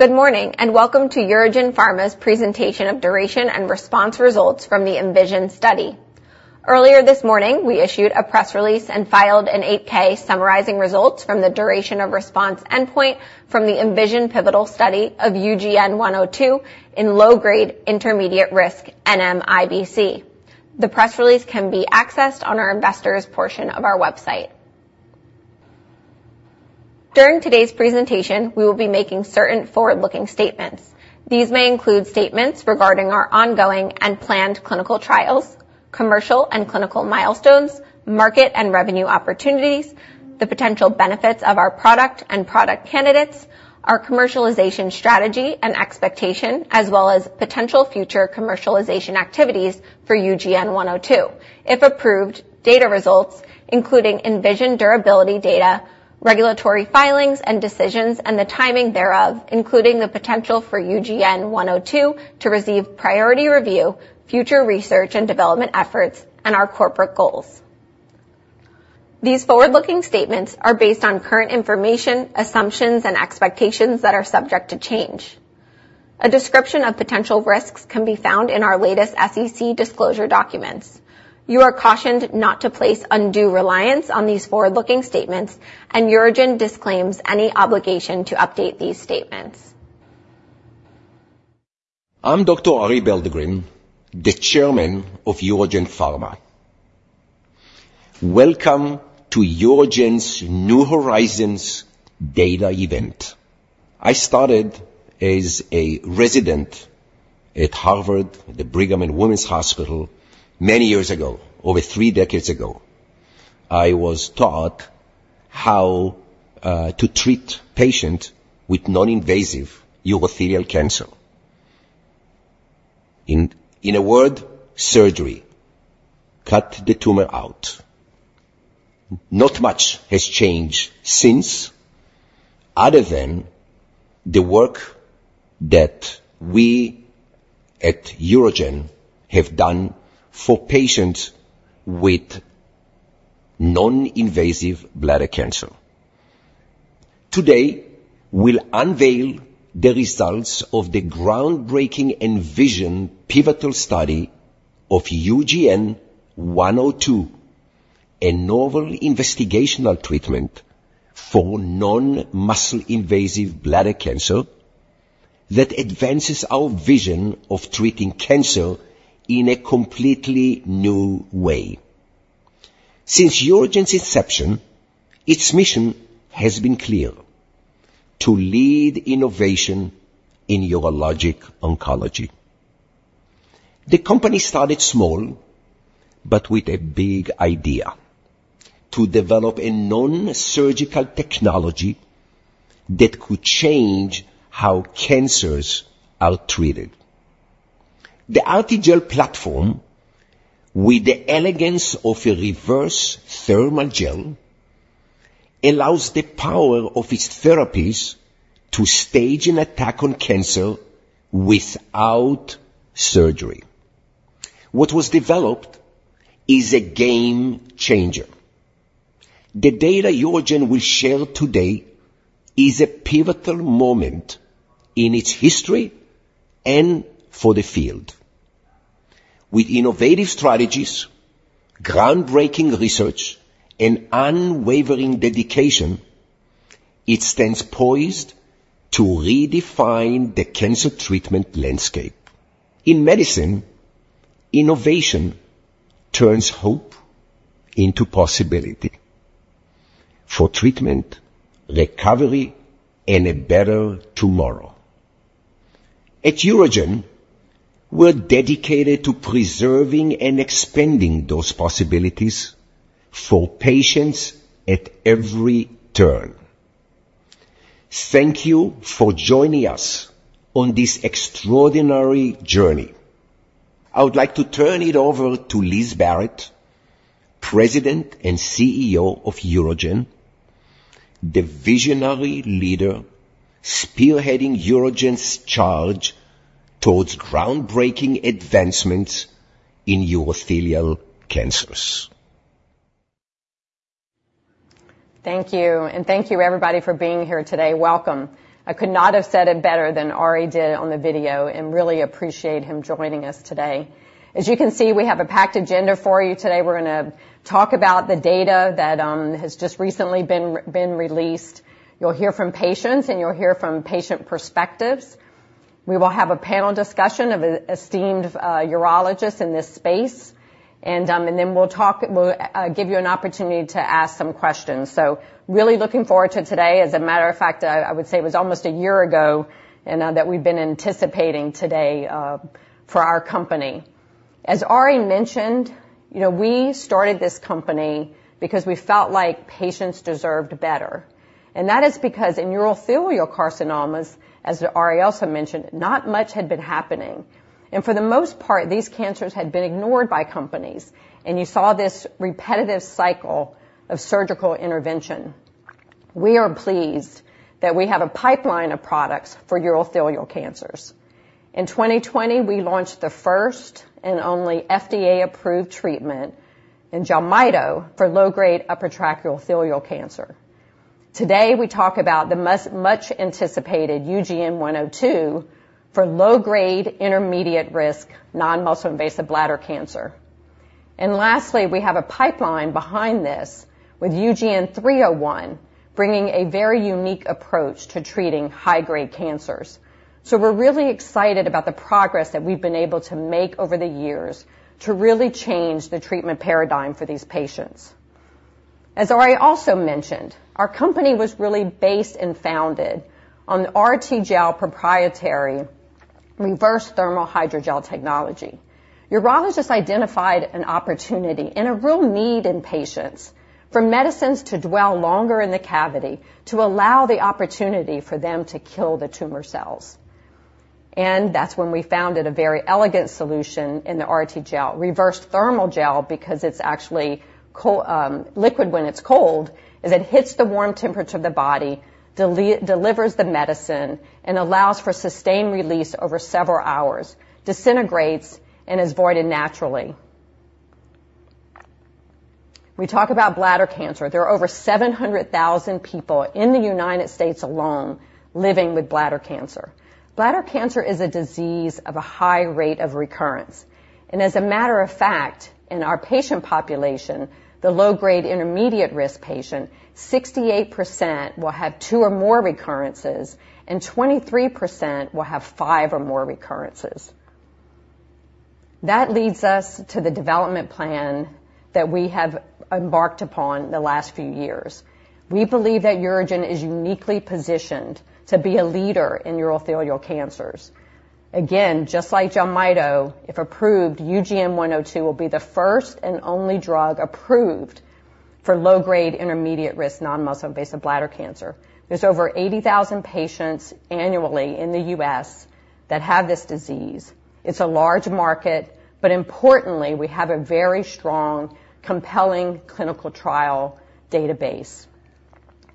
Good morning, and welcome to UroGen Pharma's presentation of duration of response results from the ENVISION study. Earlier this morning, we issued a press release and filed an 8-K summarizing results from the duration of response endpoint from the ENVISION pivotal study of UGN-102 in low-grade intermediate-risk NMIBC. The press release can be accessed on our investors' portion of our website. During today's presentation, we will be making certain forward-looking statements. These may include statements regarding our ongoing and planned clinical trials, commercial and clinical milestones, market and revenue opportunities, the potential benefits of our product and product candidates, our commercialization strategy and expectation, as well as potential future commercialization activities for UGN-102. If approved, data results, including ENVISION durability data, regulatory filings and decisions, and the timing thereof, including the potential for UGN-102 to receive priority review, future research and development efforts, and our corporate goals. These forward-looking statements are based on current information, assumptions, and expectations that are subject to change. A description of potential risks can be found in our latest SEC disclosure documents. You are cautioned not to place undue reliance on these forward-looking statements, and UroGen disclaims any obligation to update these statements. I'm Dr. Arie Belldegrun, the Chairman of UroGen Pharma. Welcome to UroGen's New Horizons data event. I started as a resident at Harvard, at the Brigham and Women's Hospital many years ago, over three decades ago. I was taught how to treat patient with non-invasive urothelial cancer. In a word, surgery: cut the tumor out. Not much has changed since other than the work that we at UroGen have done for patients with non-invasive bladder cancer. Today, we'll unveil the results of the groundbreaking ENVISION pivotal study of UGN-102, a novel investigational treatment for non-muscle invasive bladder cancer that advances our vision of treating cancer in a completely new way. Since UroGen's inception, its mission has been clear: to lead innovation in urologic oncology. The company started small, but with a big idea, to develop a non-surgical technology that could change how cancers are treated. The RTGel platform, with the elegance of a reverse thermal gel, allows the power of its therapies to stage an attack on cancer without surgery. What was developed is a game changer. The data UroGen will share today is a pivotal moment in its history and for the field. With innovative strategies, groundbreaking research, and unwavering dedication, it stands poised to redefine the cancer treatment landscape. In medicine, innovation turns hope into possibility for treatment, recovery, and a better tomorrow. At UroGen, we're dedicated to preserving and expanding those possibilities for patients at every turn. Thank you for joining us on this extraordinary journey. I would like to turn it over to Liz Barrett, President and CEO of UroGen, the visionary leader spearheading UroGen's charge towards groundbreaking advancements in urothelial cancers. Thank you, and thank you, everybody, for being here today. Welcome. I could not have said it better than Arie did on the video, and really appreciate him joining us today. As you can see, we have a packed agenda for you today. We're gonna talk about the data that has just recently been released. You'll hear from patients, and you'll hear from patient perspectives. We will have a panel discussion of esteemed urologists in this space, and then we'll talk, we'll give you an opportunity to ask some questions. So really looking forward to today. As a matter of fact, I would say it was almost a year ago, and that we've been anticipating today for our company. As Arie mentioned, you know, we started this company because we felt like patients deserved better. That is because in urothelial carcinomas, as Arie also mentioned, not much had been happening, and for the most part, these cancers had been ignored by companies, and you saw this repetitive cycle of surgical intervention. We are pleased that we have a pipeline of products for urothelial cancers.... In 2020, we launched the first and only FDA-approved treatment in Jelmyto for low-grade upper urothelial cancer. Today, we talk about the most much-anticipated UGN-102 for low-grade, intermediate-risk, non-muscle invasive bladder cancer. And lastly, we have a pipeline behind this, with UGN-301, bringing a very unique approach to treating high-grade cancers. So we're really excited about the progress that we've been able to make over the years to really change the treatment paradigm for these patients. As Arie also mentioned, our company was really based and founded on the RTGel proprietary reverse thermal hydrogel technology. Urologists identified an opportunity and a real need in patients for medicines to dwell longer in the cavity, to allow the opportunity for them to kill the tumor cells. That's when we found a very elegant solution in the RTGel, reverse thermal gel, because it's actually liquid when it's cold, as it hits the warm temperature of the body, delivers the medicine, and allows for sustained release over several hours, disintegrates, and is voided naturally. We talk about bladder cancer. There are over 700,000 people in the United States alone living with bladder cancer. Bladder cancer is a disease of a high rate of recurrence, and as a matter of fact, in our patient population, the low-grade intermediate-risk patient, 68% will have two or more recurrences, and 23% will have five or more recurrences. That leads us to the development plan that we have embarked upon the last few years. We believe that UroGen is uniquely positioned to be a leader in urothelial cancers. Again, just like Jelmyto, if approved, UGN-102 will be the first and only drug approved for low-grade, intermediate-risk non-muscle invasive bladder cancer. There's over 80,000 patients annually in the U.S. that have this disease. It's a large market, but importantly, we have a very strong, compelling clinical trial database.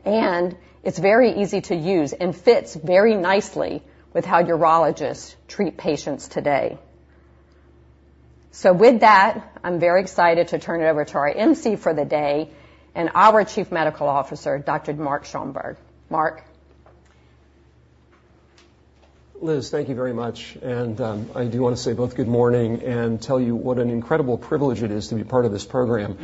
And it's very easy to use and fits very nicely with how urologists treat patients today. So with that, I'm very excited to turn it over to our emcee for the day and our Chief Medical Officer, Dr. Mark Schoenberg. Mark? Liz, thank you very much. I do want to say both good morning and tell you what an incredible privilege it is to be part of this program.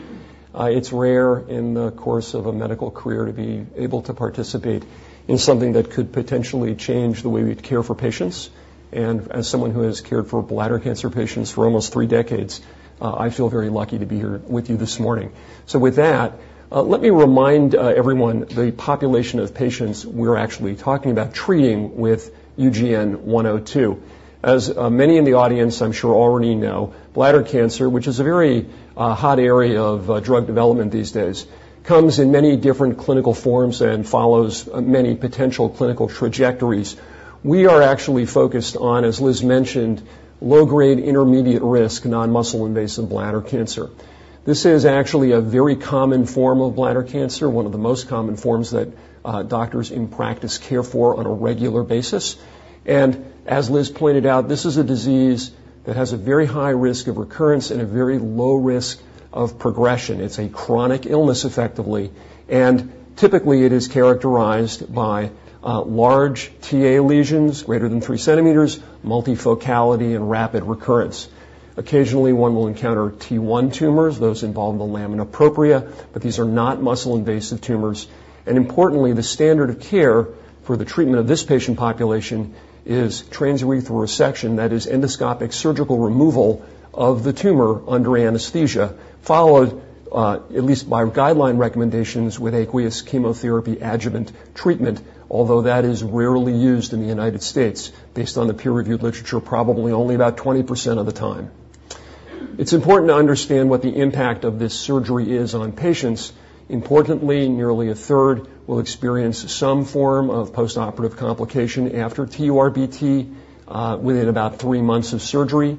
It's rare in the course of a medical career to be able to participate in something that could potentially change the way we care for patients. And as someone who has cared for bladder cancer patients for almost three decades, I feel very lucky to be here with you this morning. So with that, let me remind everyone the population of patients we're actually talking about treating with UGN-102. As many in the audience, I'm sure already know, bladder cancer, which is a very hot area of drug development these days, comes in many different clinical forms and follows many potential clinical trajectories. We are actually focused on, as Liz mentioned, low-grade, intermediate-risk non-muscle invasive bladder cancer. This is actually a very common form of bladder cancer, one of the most common forms that, doctors in practice care for on a regular basis. As Liz pointed out, this is a disease that has a very high risk of recurrence and a very low risk of progression. It's a chronic illness, effectively, and typically, it is characterized by, large Ta lesions greater than three centimeters, multifocality, and rapid recurrence. Occasionally, one will encounter T1 tumors, those involved in the lamina propria, but these are not muscle-invasive tumors. Importantly, the standard of care for the treatment of this patient population is transurethral resection, that is, endoscopic surgical removal of the tumor under anesthesia, followed at least by guideline recommendations, with aqueous chemotherapy adjuvant treatment, although that is rarely used in the United States, based on the peer-reviewed literature, probably only about 20% of the time. It's important to understand what the impact of this surgery is on patients. Importantly, nearly a third will experience some form of postoperative complication after TURBT within about three months of surgery.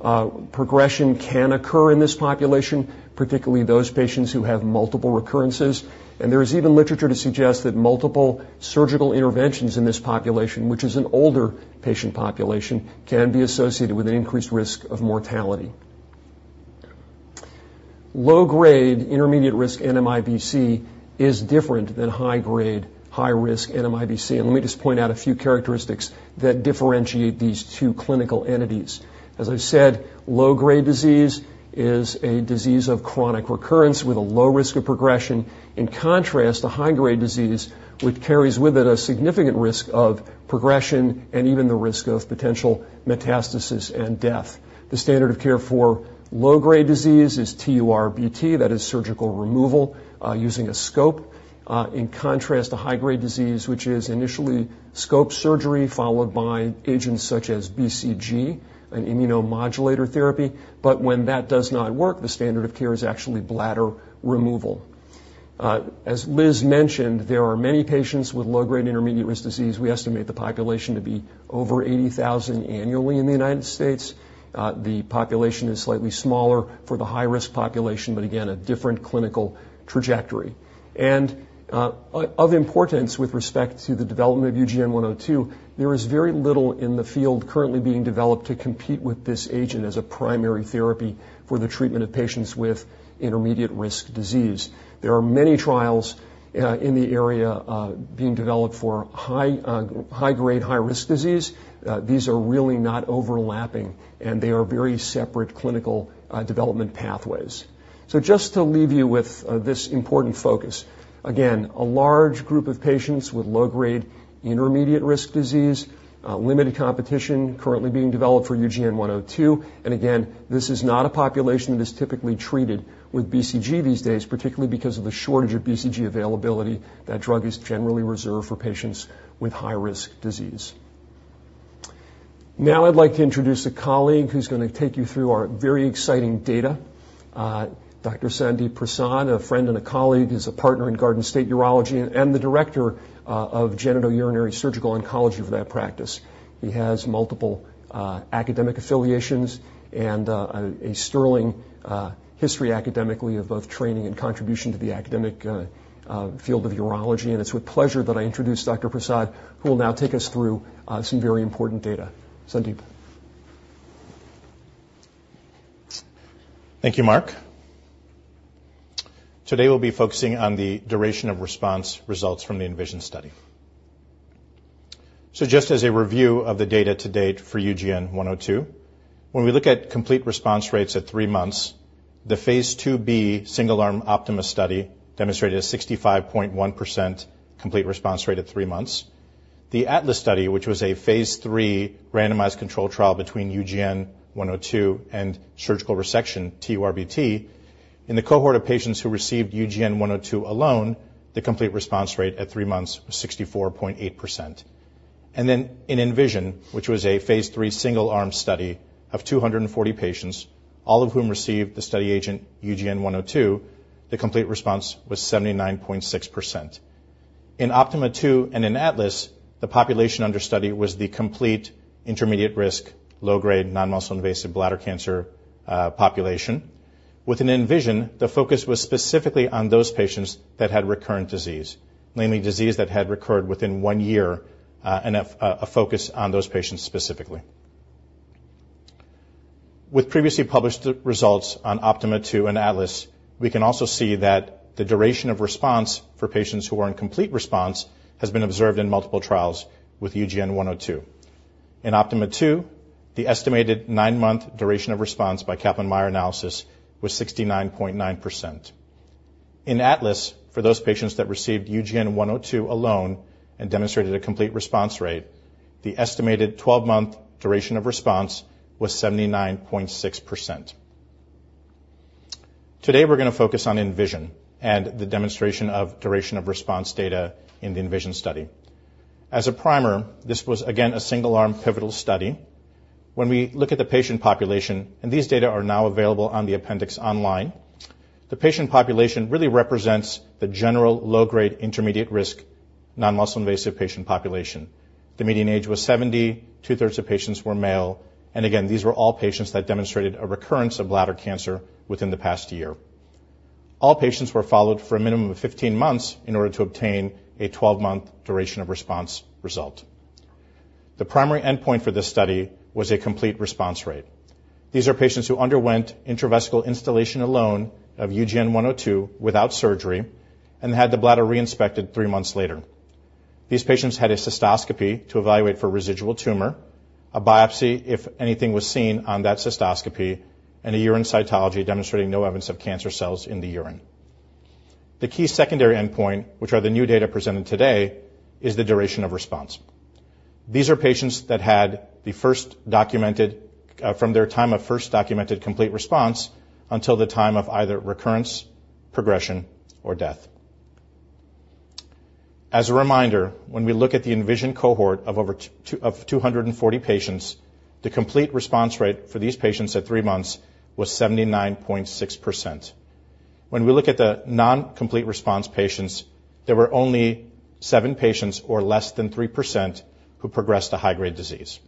Progression can occur in this population, particularly those patients who have multiple recurrences. There is even literature to suggest that multiple surgical interventions in this population, which is an older patient population, can be associated with an increased risk of mortality. Low-grade intermediate-risk NMIBC is different than high-grade, high-risk NMIBC. Let me just point out a few characteristics that differentiate these two clinical entities. As I've said, low-grade disease is a disease of chronic recurrence with a low risk of progression. In contrast, the high-grade disease, which carries with it a significant risk of progression and even the risk of potential metastasis and death. The standard of care for low-grade disease is TURBT, that is surgical removal, using a scope. In contrast to high-grade disease, which is initially scope surgery, followed by agents such as BCG, an immunomodulator therapy. But when that does not work, the standard of care is actually bladder removal. As Liz mentioned, there are many patients with low-grade intermediate-risk disease. We estimate the population to be over 80,000 annually in the United States. The population is slightly smaller for the high-risk population, but again, a different clinical trajectory. And of importance with respect to the development of UGN-102, there is very little in the field currently being developed to compete with this agent as a primary therapy for the treatment of patients with intermediate-risk disease. There are many trials in the area being developed for high-grade, high-risk disease. These are really not overlapping, and they are very separate clinical development pathways. So just to leave you with this important focus. Again, a large group of patients with low-grade intermediate-risk disease, limited competition currently being developed for UGN-102. And again, this is not a population that is typically treated with BCG these days, particularly because of the shortage of BCG availability. That drug is generally reserved for patients with high-risk disease. Now I'd like to introduce a colleague who's going to take you through our very exciting data. Dr. Sandip Prasad, a friend and a colleague, is a partner in Garden State Urology and the director of Genitourinary Surgical Oncology for that practice. He has multiple academic affiliations and a sterling history academically of both training and contribution to the academic field of urology. It's with pleasure that I introduce Dr. Prasad, who will now take us through some very important data. Sandip? Thank you, Mark. Today, we'll be focusing on the duration of response results from the ENVISION study. So just as a review of the data to date for UGN-102, when we look at complete response rates at three months, the phase 2b single-arm OPTIMA II study demonstrated a 65.1% complete response rate at three months. The ATLAS study, which was a phase 3 randomized controlled trial between UGN-102 and TURBT. In the cohort of patients who received UGN-102 alone, the complete response rate at three months was 64.8%. And then in ENVISION, which was a phase 3 single-arm study of 240 patients, all of whom received the study agent, UGN-102, the complete response was 79.6%. In OPTIMA II and in ATLAS, the population under study was the complete intermediate risk, low-grade, non-muscle invasive bladder cancer population. Within ENVISION, the focus was specifically on those patients that had recurrent disease, namely disease that had recurred within one year, and a focus on those patients specifically. With previously published results on OPTIMA II and ATLAS, we can also see that the duration of response for patients who are in complete response has been observed in multiple trials with UGN-102. In OPTIMA II, the estimated 9-month duration of response by Kaplan-Meier analysis was 69.9%. In ATLAS, for those patients that received UGN-102 alone and demonstrated a complete response rate, the estimated 12-month duration of response was 79.6%. Today, we're going to focus on ENVISION and the demonstration of duration of response data in the ENVISION study. As a primer, this was, again, a single-arm pivotal study. When we look at the patient population, and these data are now available on the appendix online, the patient population really represents the general low-grade, intermediate-risk, non-muscle invasive patient population. The median age was 70, two-thirds of patients were male, and again, these were all patients that demonstrated a recurrence of bladder cancer within the past year. All patients were followed for a minimum of 15 months in order to obtain a 12-month duration of response result. The primary endpoint for this study was a complete response rate. These are patients who underwent intravesical instillation alone of UGN-102 without surgery and had the bladder re-inspected 3 months later. These patients had a cystoscopy to evaluate for residual tumor, a biopsy if anything was seen on that cystoscopy, and a urine cytology demonstrating no evidence of cancer cells in the urine. The key secondary endpoint, which are the new data presented today, is the duration of response. These are patients that had the first documented, from their time of first documented complete response until the time of either recurrence, progression, or death. As a reminder, when we look at the ENVISION cohort of over two, of 240 patients, the complete response rate for these patients at three months was 79.6%. When we look at the non-complete response patients, there were only 7 patients or less than 3%, who progressed to high-grade disease.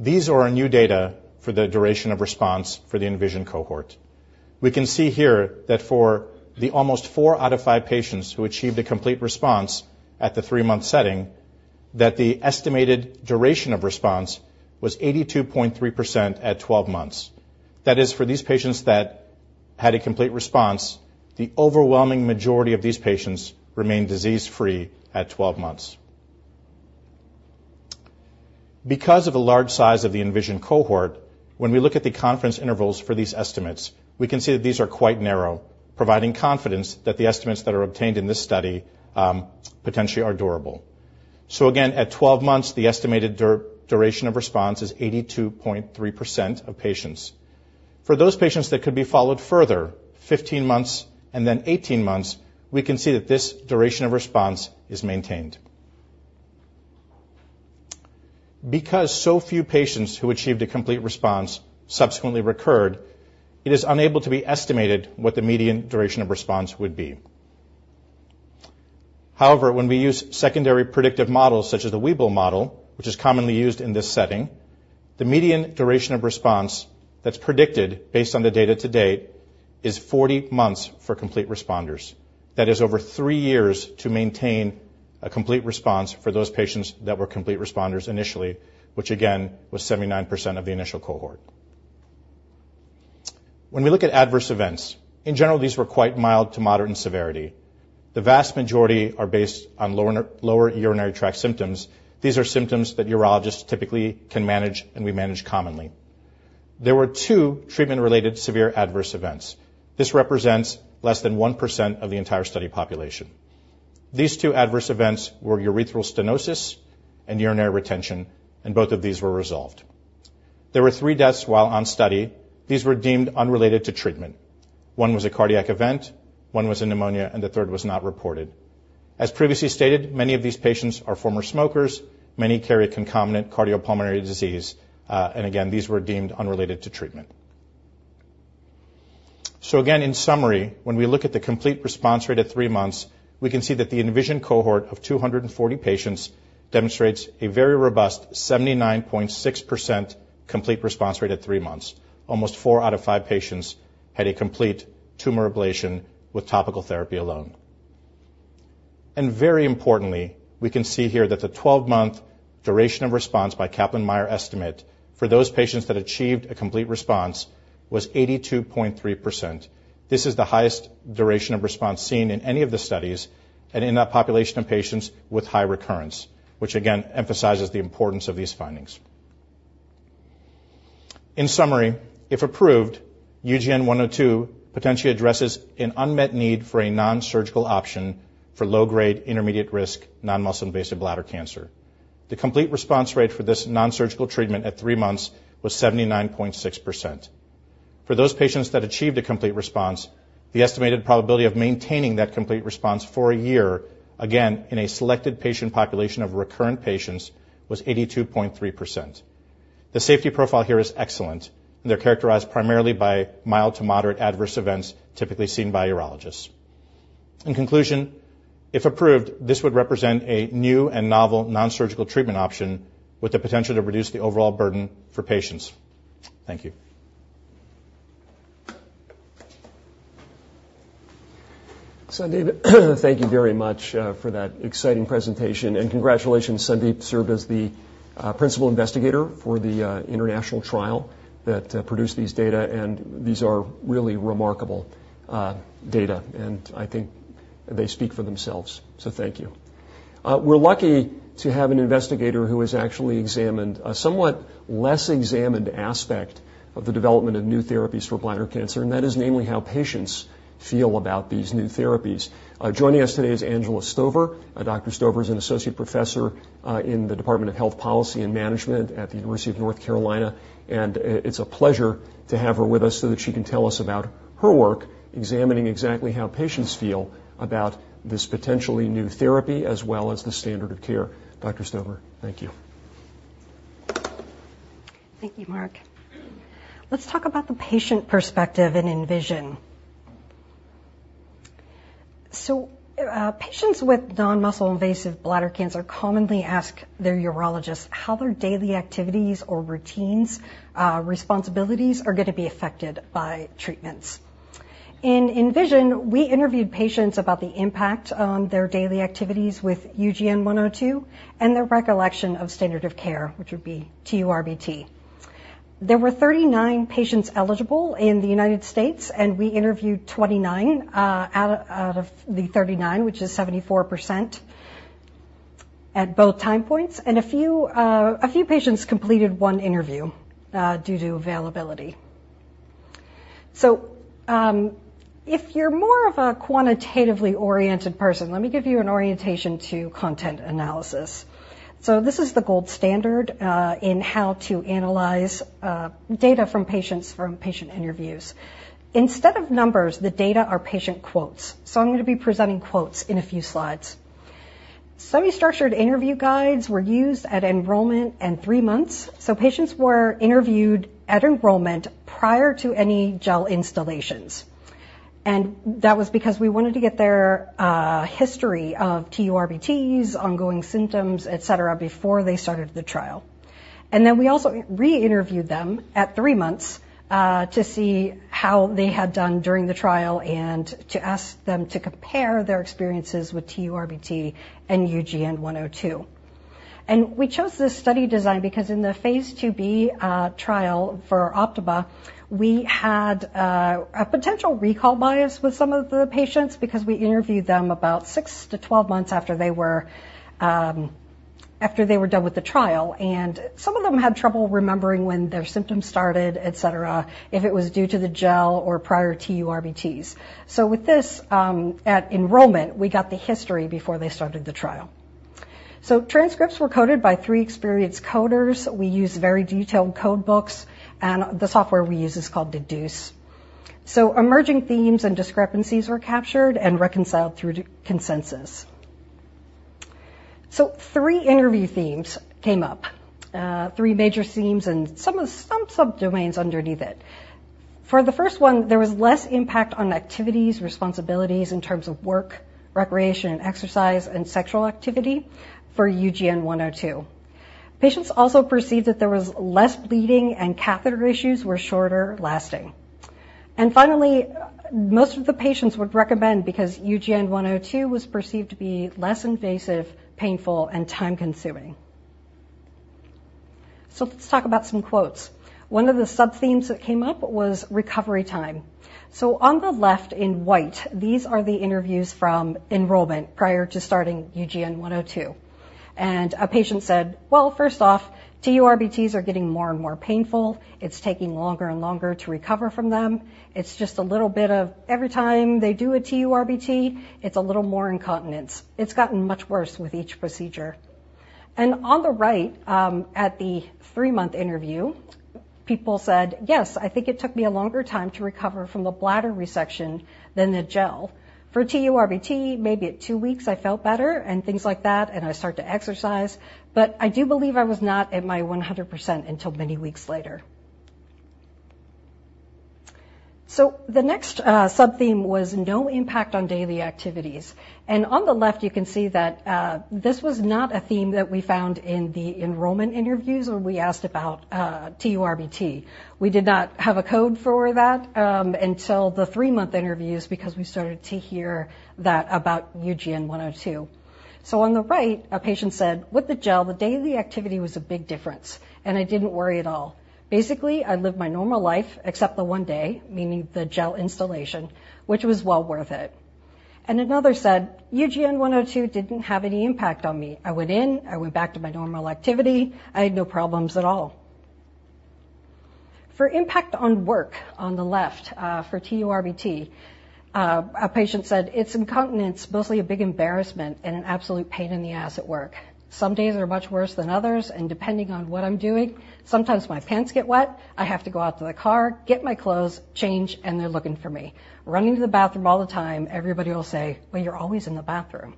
These are our new data for the duration of response for the ENVISION cohort. We can see here that for the almost four out of five patients who achieved a complete response at the three-month setting, that the estimated duration of response was 82.3% at 12 months. That is, for these patients that had a complete response, the overwhelming majority of these patients remained disease-free at 12 months. Because of the large size of the ENVISION cohort, when we look at the confidence intervals for these estimates, we can see that these are quite narrow, providing confidence that the estimates that are obtained in this study, potentially are durable. So again, at 12 months, the estimated duration of response is 82.3% of patients. For those patients that could be followed further, 15 months and then 18 months, we can see that this duration of response is maintained. Because so few patients who achieved a complete response subsequently recurred, it is unable to be estimated what the median duration of response would be. However, when we use secondary predictive models such as the Weibull model, which is commonly used in this setting, the median duration of response that's predicted based on the data to date is 40 months for complete responders. That is over 3 years to maintain a complete response for those patients that were complete responders initially, which again, was 79% of the initial cohort. When we look at adverse events, in general, these were quite mild to moderate in severity. The vast majority are based on lower urinary tract symptoms. These are symptoms that urologists typically can manage, and we manage commonly. There were 2 treatment-related severe adverse events. This represents less than 1% of the entire study population. These two adverse events were urethral stenosis and urinary retention, and both of these were resolved. There were 3 deaths while on study. These were deemed unrelated to treatment. One was a cardiac event, one was a pneumonia, and the third was not reported. As previously stated, many of these patients are former smokers. Many carry concomitant cardiopulmonary disease, and again, these were deemed unrelated to treatment. So again, in summary, when we look at the complete response rate at 3 months, we can see that the ENVISION cohort of 240 patients demonstrates a very robust 79.6% complete response rate at 3 months. Almost 4 out of 5 patients had a complete tumor ablation with topical therapy alone. Very importantly, we can see here that the 12-month duration of response by Kaplan-Meier estimate for those patients that achieved a complete response was 82.3%. This is the highest duration of response seen in any of the studies and in that population of patients with high recurrence, which again emphasizes the importance of these findings. In summary, if approved, UGN-102 potentially addresses an unmet need for a non-surgical option for low-grade, intermediate-risk, non-muscle invasive bladder cancer. The complete response rate for this non-surgical treatment at 3 months was 79.6%. For those patients that achieved a complete response, the estimated probability of maintaining that complete response for a year, again, in a selected patient population of recurrent patients, was 82.3%. The safety profile here is excellent, and they're characterized primarily by mild to moderate adverse events typically seen by urologists. In conclusion, if approved, this would represent a new and novel non-surgical treatment option with the potential to reduce the overall burden for patients. Thank you. Sandip, thank you very much for that exciting presentation, and congratulations. Sandip served as the principal investigator for the international trial that produced these data, and these are really remarkable data, and I think they speak for themselves. So thank you. We're lucky to have an investigator who has actually examined a somewhat less examined aspect of the development of new therapies for bladder cancer, and that is namely, how patients feel about these new therapies. Joining us today is Angela Stover. Dr. Stover is an associate professor in the Department of Health Policy and Management at the University of North Carolina, and it's a pleasure to have her with us so that she can tell us about her work, examining exactly how patients feel about this potentially new therapy as well as the standard of care. Dr. Stover, thank you. Thank you, Mark. Let's talk about the patient perspective in ENVISION. So, patients with non-muscle invasive bladder cancer commonly ask their urologists how their daily activities or routines, responsibilities are gonna be affected by treatments. In ENVISION, we interviewed patients about the impact on their daily activities with UGN-102, and their recollection of standard of care, which would be TURBT. There were 39 patients eligible in the United States, and we interviewed 29 out of the 39, which is 74% at both time points, and a few patients completed one interview due to availability. So, if you're more of a quantitatively oriented person, let me give you an orientation to content analysis. So this is the gold standard in how to analyze data from patient interviews. Instead of numbers, the data are patient quotes, so I'm going to be presenting quotes in a few slides. Semi-structured interview guides were used at enrollment and 3 months. So patients were interviewed at enrollment prior to any gel instillations, and that was because we wanted to get their history of TURBTs, ongoing symptoms, et cetera, before they started the trial. And then, we also re-interviewed them at 3 months, to see how they had done during the trial and to ask them to compare their experiences with TURBT and UGN-102. And we chose this study design because in the phase 2b trial for OPTIMA II, we had a potential recall bias with some of the patients because we interviewed them about 6-12 months after they were after they were done with the trial, and some of them had trouble remembering when their symptoms started, et cetera, if it was due to the gel or prior TURBTs. So with this, at enrollment, we got the history before they started the trial. So transcripts were coded by three experienced coders. We used very detailed code books, and the software we use is called Dedoose. So emerging themes and discrepancies were captured and reconciled through consensus. So three interview themes came up, three major themes and some sub-domains underneath it. For the first one, there was less impact on activities, responsibilities in terms of work, recreation, and exercise, and sexual activity for UGN-102. Patients also perceived that there was less bleeding, and catheter issues were shorter-lasting. And finally, most of the patients would recommend, because UGN-102 was perceived to be less invasive, painful, and time-consuming. So let's talk about some quotes. One of the sub-themes that came up was recovery time. So on the left in white, these are the interviews from enrollment prior to starting UGN-102. And a patient said: "Well, first off, TURBTs are getting more and more painful. It's taking longer and longer to recover from them. It's just a little bit of every time they do a TURBT, it's a little more incontinence. It's gotten much worse with each procedure." And on the right, at the three-month interview, people said: "Yes, I think it took me a longer time to recover from the bladder resection than the gel. For TURBT, maybe at 2 weeks, I felt better and things like that, and I start to exercise, but I do believe I was not at my 100% until many weeks later." So the next sub-theme was no impact on daily activities. And on the left, you can see that this was not a theme that we found in the enrollment interviews when we asked about TURBT. We did not have a code for that until the 3-month interviews because we started to hear that about UGN-102. So on the right, a patient said, "With the gel, the daily activity was a big difference, and I didn't worry at all. Basically, I lived my normal life, except the 1 day," meaning the gel instillation, "which was well worth it." And another said, "UGN-102 didn't have any impact on me. I went in, I went back to my normal activity. I had no problems at all. For impact on work, on the left, for TURBT, a patient said, "It's incontinence, mostly a big embarrassment and an absolute pain in the ass at work. Some days are much worse than others, and depending on what I'm doing, sometimes my pants get wet. I have to go out to the car, get my clothes changed, and they're looking for me. Running to the bathroom all the time, everybody will say, 'Well, you're always in the bathroom.'"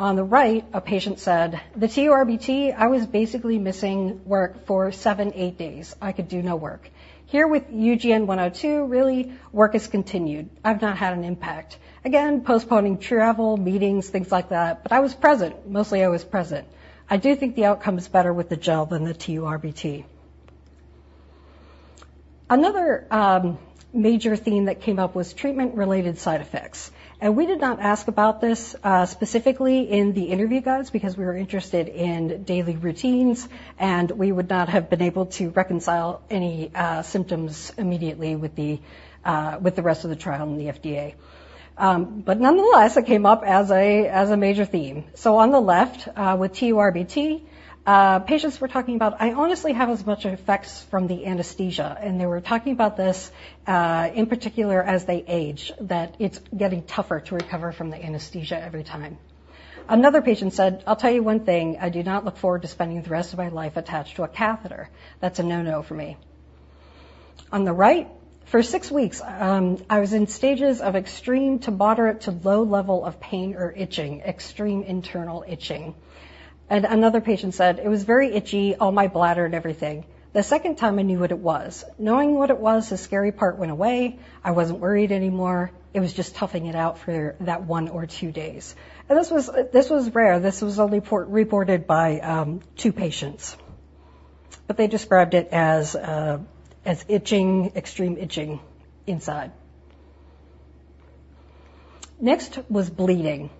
On the right, a patient said, "The TURBT, I was basically missing work for 7, 8 days. I could do no work. Here with UGN-102, really, work has continued. I've not had an impact. Again, postponing travel, meetings, things like that, but I was present. Mostly, I was present. I do think the outcome is better with the gel than the TURBT." Another, major theme that came up was treatment-related side effects, and we did not ask about this, specifically in the interview guides because we were interested in daily routines, and we would not have been able to reconcile any symptoms immediately with the rest of the trial and the FDA. But nonetheless, it came up as a major theme. So on the left, with TURBT, patients were talking about, "I honestly have as much effects from the anesthesia," and they were talking about this, in particular, as they age, that it's getting tougher to recover from the anesthesia every time. Another patient said, "I'll tell you one thing, I do not look forward to spending the rest of my life attached to a catheter. That's a no-no for me." On the right, "For six weeks, I was in stages of extreme to moderate to low level of pain or itching, extreme internal itching." And another patient said, "It was very itchy on my bladder and everything. The second time, I knew what it was. Knowing what it was, the scary part went away. I wasn't worried anymore. It was just toughing it out for that one or two days." And this was, this was rare. This was only reported by two patients. But they described it as, as itching, extreme itching inside. Next was bleeding.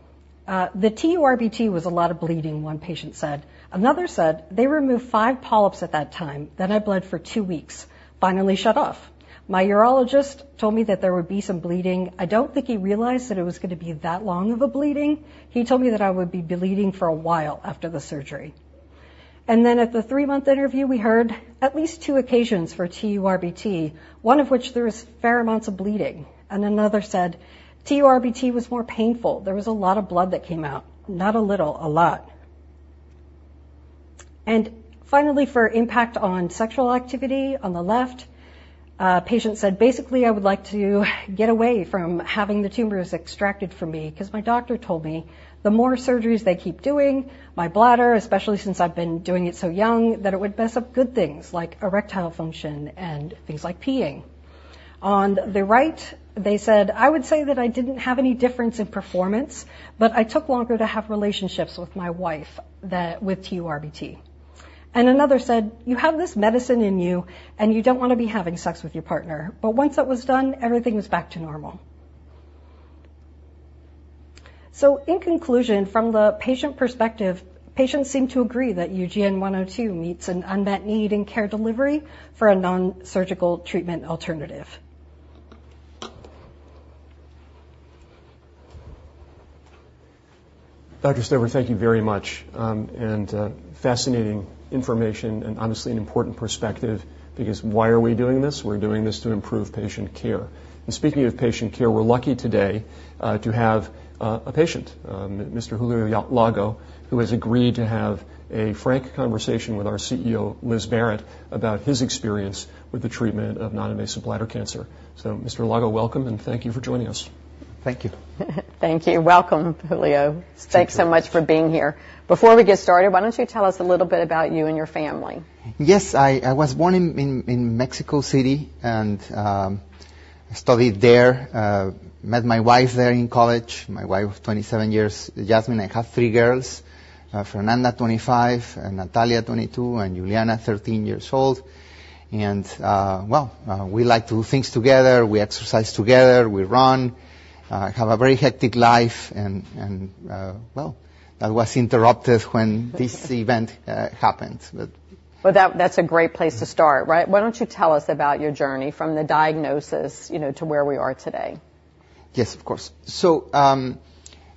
"The TURBT was a lot of bleeding," one patient said. Another said, "They removed five polyps at that time, then I bled for two weeks, finally shut off. My urologist told me that there would be some bleeding. I don't think he realized that it was going to be that long of a bleeding. He told me that I would be bleeding for a while after the surgery." Then at the three-month interview, we heard, "At least two occasions for TURBT, one of which there was fair amounts of bleeding." And another said, "TURBT was more painful. There was a lot of blood that came out. Not a little, a lot." And finally, for impact on sexual activity, on the left, a patient said, "Basically, I would like to get away from having the tumors extracted from me because my doctor told me the more surgeries they keep doing, my bladder, especially since I've been doing it so young, that it would mess up good things like erectile function and things like peeing." On the right, they said, "I would say that I didn't have any difference in performance, but I took longer to have relationships with my wife than with TURBT." And another said, "You have this medicine in you, and you don't want to be having sex with your partner. But once that was done, everything was back to normal." In conclusion, from the patient perspective, patients seem to agree that UGN-102 meets an unmet need in care delivery for a non-surgical treatment alternative. Dr. Stover, thank you very much, and fascinating information and honestly, an important perspective, because why are we doing this? We're doing this to improve patient care. And speaking of patient care, we're lucky today to have a patient, Mr. Julio Lago, who has agreed to have a frank conversation with our CEO, Liz Barrett, about his experience with the treatment of non-invasive bladder cancer. So, Mr. Lago, welcome, and thank you for joining us.... Thank you. Thank you. Welcome, Julio. Thank you. Thanks so much for being here. Before we get started, why don't you tell us a little bit about you and your family? Yes, I was born in Mexico City, and I studied there. Met my wife there in college. My wife of 27 years, Jasmine. I have three girls: Fernanda, 25, and Natalia, 22, and Juliana, 13 years old. And we like to do things together. We exercise together, we run, have a very hectic life, and well, that was interrupted when this event happened, but- Well, that's a great place to start, right? Why don't you tell us about your journey from the diagnosis, you know, to where we are today? Yes, of course. So,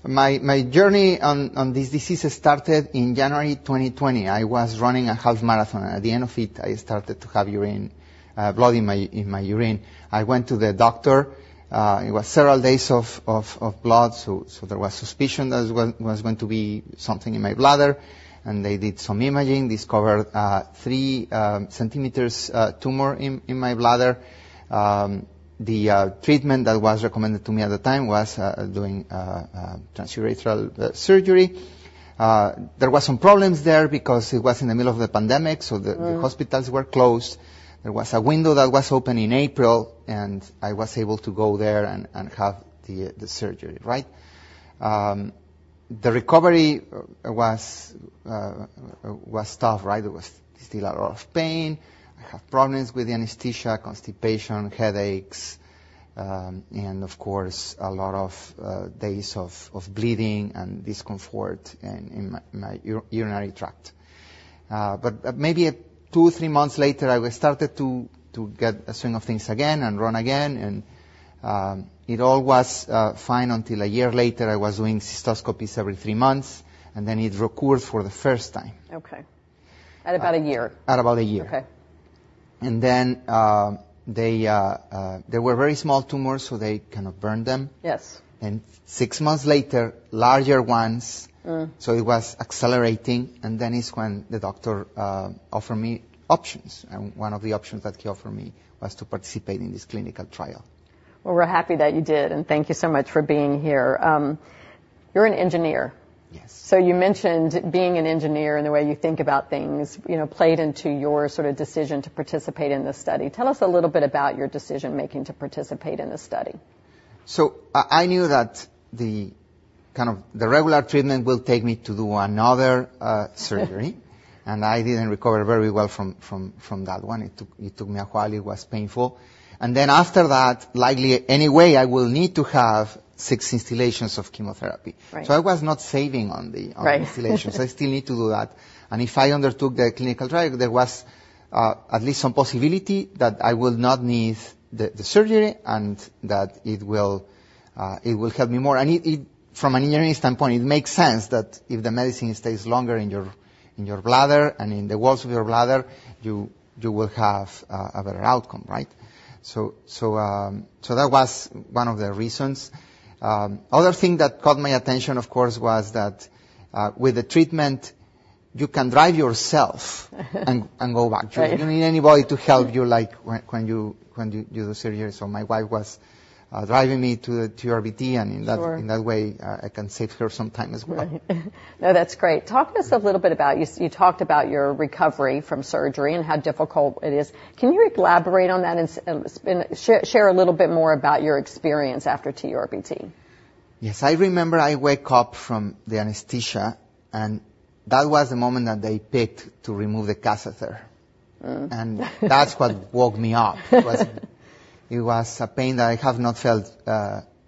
my journey on this disease started in January 2020. I was running a half marathon, and at the end of it, I started to have blood in my urine. I went to the doctor. It was several days of blood, so there was suspicion that it was going to be something in my bladder, and they did some imaging, discovered a 3 centimeters tumor in my bladder. The treatment that was recommended to me at the time was doing transurethral surgery. There were some problems there because it was in the middle of the pandemic, so the- Mm. Hospitals were closed. There was a window that was open in April, and I was able to go there and have the surgery, right? The recovery was tough, right? There was still a lot of pain. I have problems with anesthesia, constipation, headaches, and of course, a lot of days of bleeding and discomfort in my urinary tract. But maybe 2-3 months later, I started to get a swing of things again and run again, and it all was fine until a year later. I was doing cystoscopy every 3 months, and then it recurred for the first time. Okay. At about a year? At about a year. Okay. And then, they were very small tumors, so they kind of burned them. Yes. Six months later, larger ones- Mm. So it was accelerating, and then is when the doctor offered me options, and one of the options that he offered me was to participate in this clinical trial. Well, we're happy that you did, and thank you so much for being here. You're an engineer. Yes. So you mentioned being an engineer and the way you think about things, you know, played into your sort of decision to participate in this study. Tell us a little bit about your decision-making to participate in this study. So I knew that the kind of regular treatment will take me to do another surgery—and I didn't recover very well from that one. It took me a while. It was painful. And then after that, likely, anyway, I will need to have 6 instillations of chemotherapy. Right. So I was not saving on the- Right. -on instillations. I still need to do that. And if I undertook the clinical trial, there was at least some possibility that I will not need the surgery and that it will help me more. And it from an engineering standpoint, it makes sense that if the medicine stays longer in your bladder and in the walls of your bladder, you will have a better outcome, right? So that was one of the reasons. Other thing that caught my attention, of course, was that with the treatment, you can drive yourself and go back. Right. You don't need anybody to help you, like, when you do the surgery. So my wife was driving me to the TURBT, and in that- Sure... in that way, I can save her some time as well. No, that's great. Talk to us a little bit about you talked about your recovery from surgery and how difficult it is. Can you elaborate on that and share a little bit more about your experience after TURBT? Yes. I remember I wake up from the anesthesia, and that was the moment that they picked to remove the catheter. Mm. That's what woke me up. It was, it was a pain that I have not felt,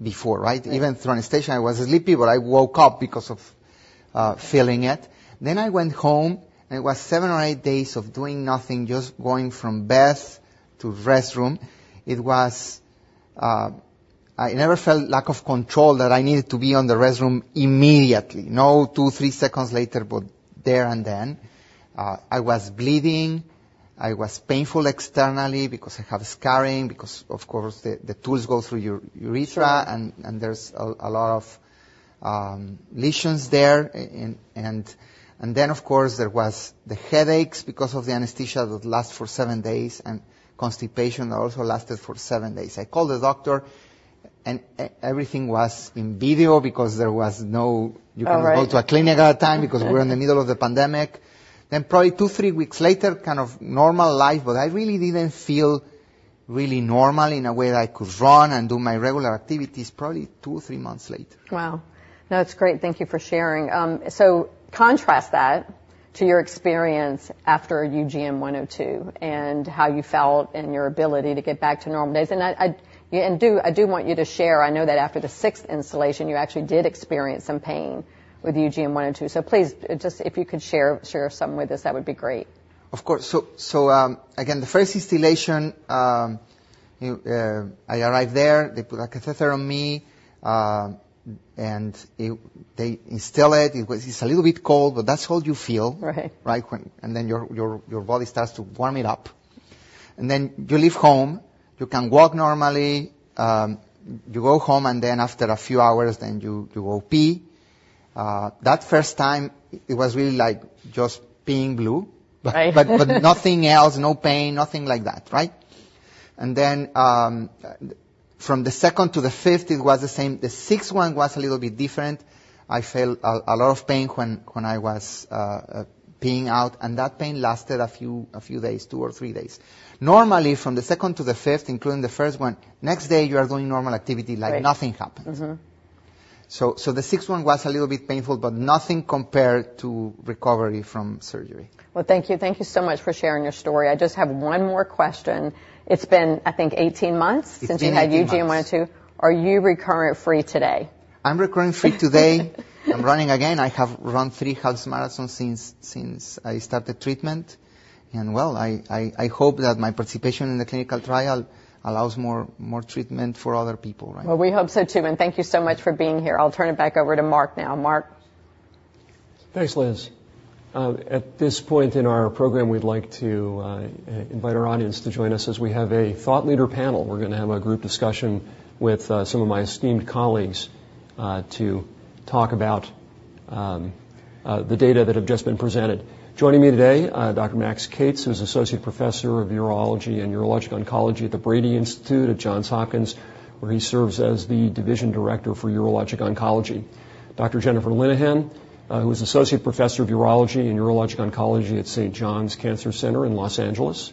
before, right? Right. Even through anesthesia, I was sleepy, but I woke up because of feeling it. Then I went home, and it was 7 or 8 days of doing nothing, just going from bed to restroom. It was... I never felt lack of control that I needed to be on the restroom immediately. No, 2, 3 seconds later, but there and then. I was bleeding. I was painful externally because I have scarring, because, of course, the tools go through your urethra, and there's a lot of lesions there. And then, of course, there was the headaches because of the anesthesia that last for 7 days and constipation that also lasted for 7 days. I called the doctor, and everything was in video because there was no- All right. You couldn't go to a clinic at that time because we're in the middle of the pandemic. Then probably 2-3 weeks later, kind of normal life, but I really didn't feel really normal in a way that I could run and do my regular activities, probably 2-3 months later. Wow! No, it's great. Thank you for sharing. So contrast that to your experience after UGN-102 and how you felt and your ability to get back to normal days. And I do want you to share, I know that after the sixth instillation, you actually did experience some pain with UGN-102. So please, just if you could share, share some with us, that would be great. Of course. So, again, the first instillation, I arrived there, they put a catheter on me, and it... They instill it. It was- it's a little bit cold, but that's all you feel. Right. Right? And then your body starts to warm it up. And then you leave home, you can walk normally, you go home, and then after a few hours, then you go pee. That first time, it was really, like, just peeing blue. Right. But nothing else, no pain, nothing like that, right? And then, from the second to the fifth, it was the same. The sixth one was a little bit different. I felt a lot of pain when I was peeing out, and that pain lasted a few days, two or three days. Normally, from the second to the fifth, including the first one, next day you are doing normal activity- Right. like nothing happened. Mm-hmm. So, the sixth one was a little bit painful, but nothing compared to recovery from surgery. Well, thank you. Thank you so much for sharing your story. I just have one more question. It's been, I think, 18 months- 18, yeah, months. Since you had UGN-102. Are you recurrence-free today? I'm recurrent-free today. I'm running again. I have run three half marathons since I started treatment, and, well, I hope that my participation in the clinical trial allows more treatment for other people, right? Well, we hope so, too, and thank you so much for being here. I'll turn it back over to Mark now. Mark? Thanks, Liz. At this point in our program, we'd like to invite our audience to join us as we have a thought leader panel. We're gonna have a group discussion with some of my esteemed colleagues to talk about the data that have just been presented. Joining me today, Dr. Max Kates, who's Associate Professor of Urology and Urologic Oncology at the Brady Institute at Johns Hopkins, where he serves as the Division Director for Urologic Oncology. Dr. Jennifer Linehan, who is Associate Professor of Urology and Urologic Oncology at Saint John's Cancer Institute in Los Angeles.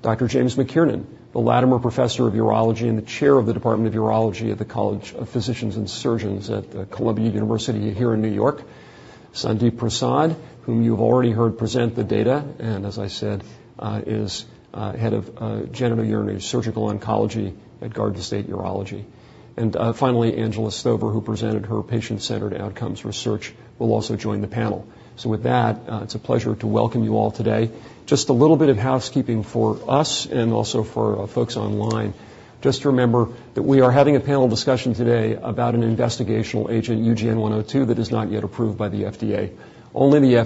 Dr. James McKiernan, the Lattimer Professor of Urology and the Chair of the Department of Urology at the College of Physicians and Surgeons at Columbia University here in New York. Sandip Prasad, whom you've already heard present the data, and as I said, is Head of Genitourinary Surgical Oncology at Garden State Urology. Finally, Angela Stover, who presented her patient-centered outcomes research, will also join the panel. So with that, it's a pleasure to welcome you all today. Just a little bit of housekeeping for us and also for our folks online. Just remember that we are having a panel discussion today about an investigational agent, UGN-102, that is not yet approved by the FDA. Only the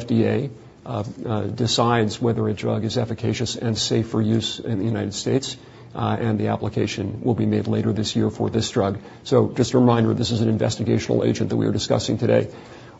FDA decides whether a drug is efficacious and safe for use in the United States, and the application will be made later this year for this drug. So just a reminder, this is an investigational agent that we are discussing today.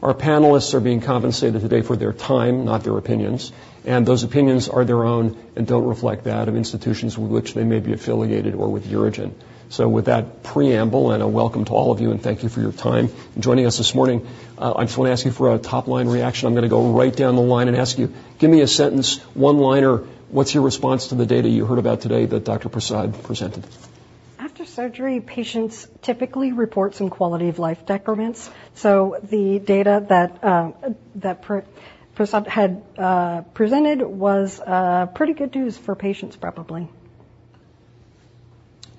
Our panelists are being compensated today for their time, not their opinions, and those opinions are their own and don't reflect that of institutions with which they may be affiliated or with UroGen. So with that preamble, and a welcome to all of you, and thank you for your time, joining us this morning, I just wanna ask you for a top-line reaction. I'm gonna go right down the line and ask you, give me a sentence, one-liner, what's your response to the data you heard about today that Dr. Prasad presented? After surgery, patients typically report some quality-of-life decrements, so the data that that Prasad had presented was pretty good news for patients, probably.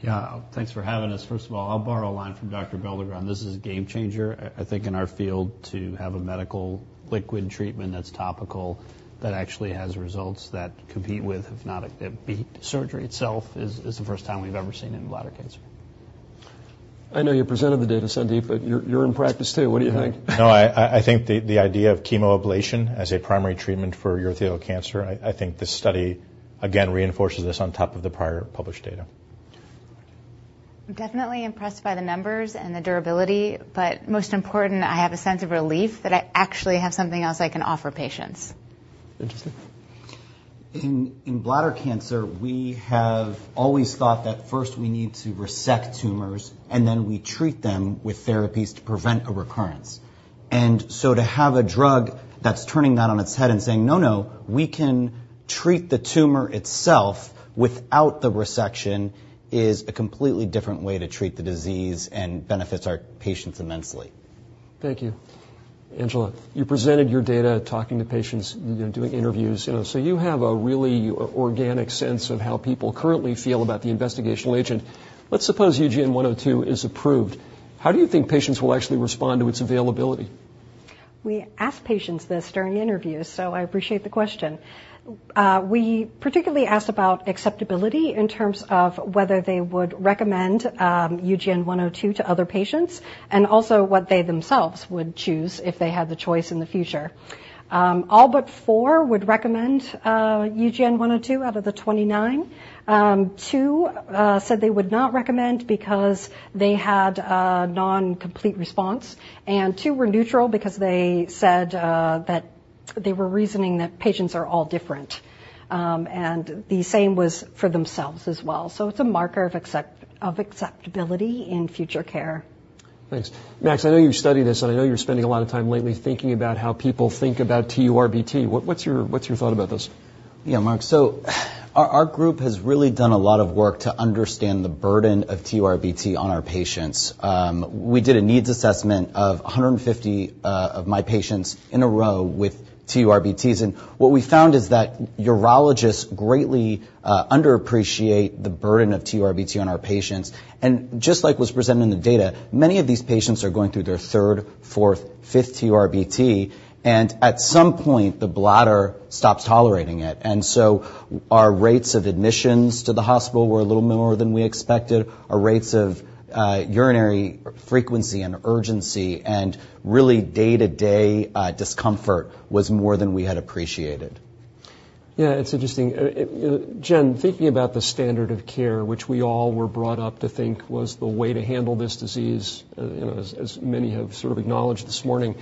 Yeah. Thanks for having us. First of all, I'll borrow a line from Dr. Belldegrun. This is a game changer, I think, in our field, to have a medical liquid treatment that's topical, that actually has results that compete with, if not beat, surgery itself is the first time we've ever seen it in bladder cancer. I know you presented the data, Sandip, but you're in practice, too. What do you think? No, I think the idea of chemoablation as a primary treatment for urothelial cancer. I think this study, again, reinforces this on top of the prior published data. Angela? I'm definitely impressed by the numbers and the durability, but most important, I have a sense of relief that I actually have something else I can offer patients. Max? In bladder cancer, we have always thought that first we need to resect tumors, and then we treat them with therapies to prevent a recurrence. And so to have a drug that's turning that on its head and saying, "No, no, we can treat the tumor itself without the resection," is a completely different way to treat the disease and benefits our patients immensely. Thank you. Angela, you presented your data, talking to patients, you know, doing interviews, you know, so you have a really organic sense of how people currently feel about the investigational agent. Let's suppose UGN-102 is approved. How do you think patients will actually respond to its availability? We asked patients this during interviews, so I appreciate the question. We particularly asked about acceptability in terms of whether they would recommend UGN-102 to other patients, and also what they themselves would choose if they had the choice in the future. All but four would recommend UGN-102 out of the 29. Two said they would not recommend because they had a non-complete response, and two were neutral because they said that they were reasoning that patients are all different, and the same was for themselves as well. So it's a marker of acceptability in future care. Thanks. Max, I know you've studied this, and I know you're spending a lot of time lately thinking about how people think about TURBT. What's your thought about this? Yeah, Mark, so our group has really done a lot of work to understand the burden of TURBT on our patients. We did a needs assessment of 150 of my patients in a row with TURBTs, and what we found is that urologists greatly underappreciate the burden of TURBT on our patients. And just like was presented in the data, many of these patients are going through their third, fourth, fifth TURBT, and at some point, the bladder stops tolerating it. And so our rates of admissions to the hospital were a little more than we expected. Our rates of urinary frequency and urgency and really day-to-day discomfort was more than we had appreciated.... Yeah, it's interesting. Jen, thinking about the standard of care, which we all were brought up to think was the way to handle this disease, you know, as many have sort of acknowledged this morning,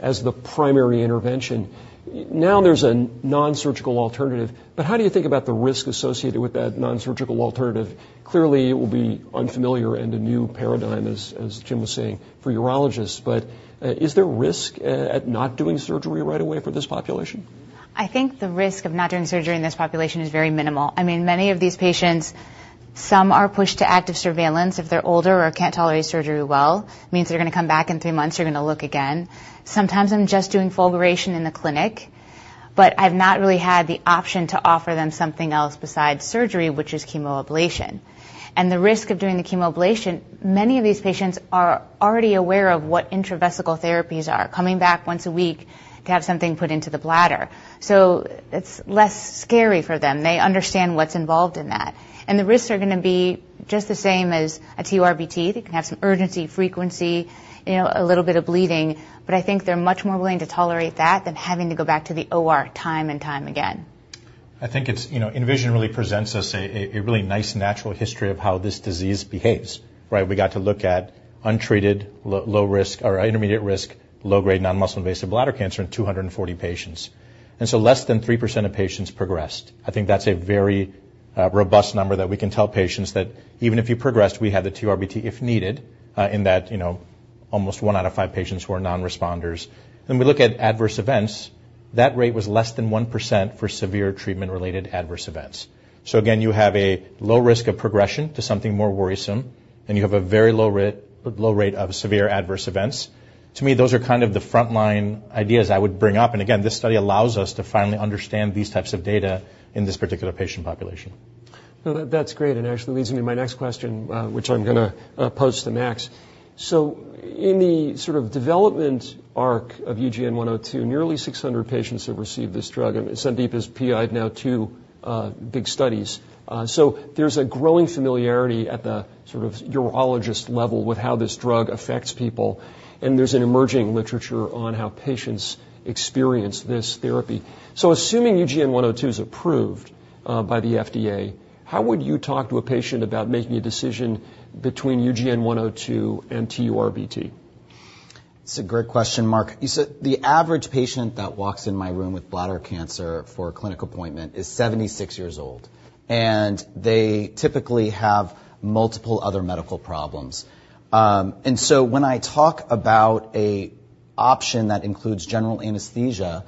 as the primary intervention. Now there's a nonsurgical alternative, but how do you think about the risk associated with that nonsurgical alternative? Clearly, it will be unfamiliar and a new paradigm, as Jim was saying, for urologists. But, is there risk at not doing surgery right away for this population? I think the risk of not doing surgery in this population is very minimal. I mean, many of these patients, some are pushed to active surveillance if they're older or can't tolerate surgery well. It means they're gonna come back in three months, they're gonna look again. Sometimes I'm just doing fulguration in the clinic, but I've not really had the option to offer them something else besides surgery, which is chemoablation. And the risk of doing the chemoablation, many of these patients are already aware of what intravesical therapies are, coming back once a week to have something put into the bladder. So it's less scary for them. They understand what's involved in that. And the risks are gonna be just the same as a TURBT. They can have some urgency, frequency, you know, a little bit of bleeding, but I think they're much more willing to tolerate that than having to go back to the OR time and time again. I think it's you know, ENVISION really presents us a really nice natural history of how this disease behaves, right? We got to look at untreated low risk or intermediate risk, low-grade non-muscle invasive bladder cancer in 240 patients, and so less than 3% of patients progressed. I think that's a very robust number that we can tell patients that even if you progressed, we have the TURBT, if needed, in that, you know, almost one out of five patients who are nonresponders. Then we look at adverse events. That rate was less than 1% for severe treatment-related adverse events. So again, you have a low risk of progression to something more worrisome, and you have a very low low rate of severe adverse events. To me, those are kind of the frontline ideas I would bring up, and again, this study allows us to finally understand these types of data in this particular patient population. No, that, that's great, and actually leads me to my next question, which I'm gonna pose to Max. So in the sort of development arc of UGN-102, nearly 600 patients have received this drug, and Sandip has PI'd now two big studies. So there's a growing familiarity at the sort of urologist level with how this drug affects people, and there's an emerging literature on how patients experience this therapy. So assuming UGN-102 is approved by the FDA, how would you talk to a patient about making a decision between UGN-102 and TURBT? It's a great question, Mark. You see, the average patient that walks in my room with bladder cancer for a clinical appointment is 76 years old, and they typically have multiple other medical problems. And so when I talk about an option that includes general anesthesia,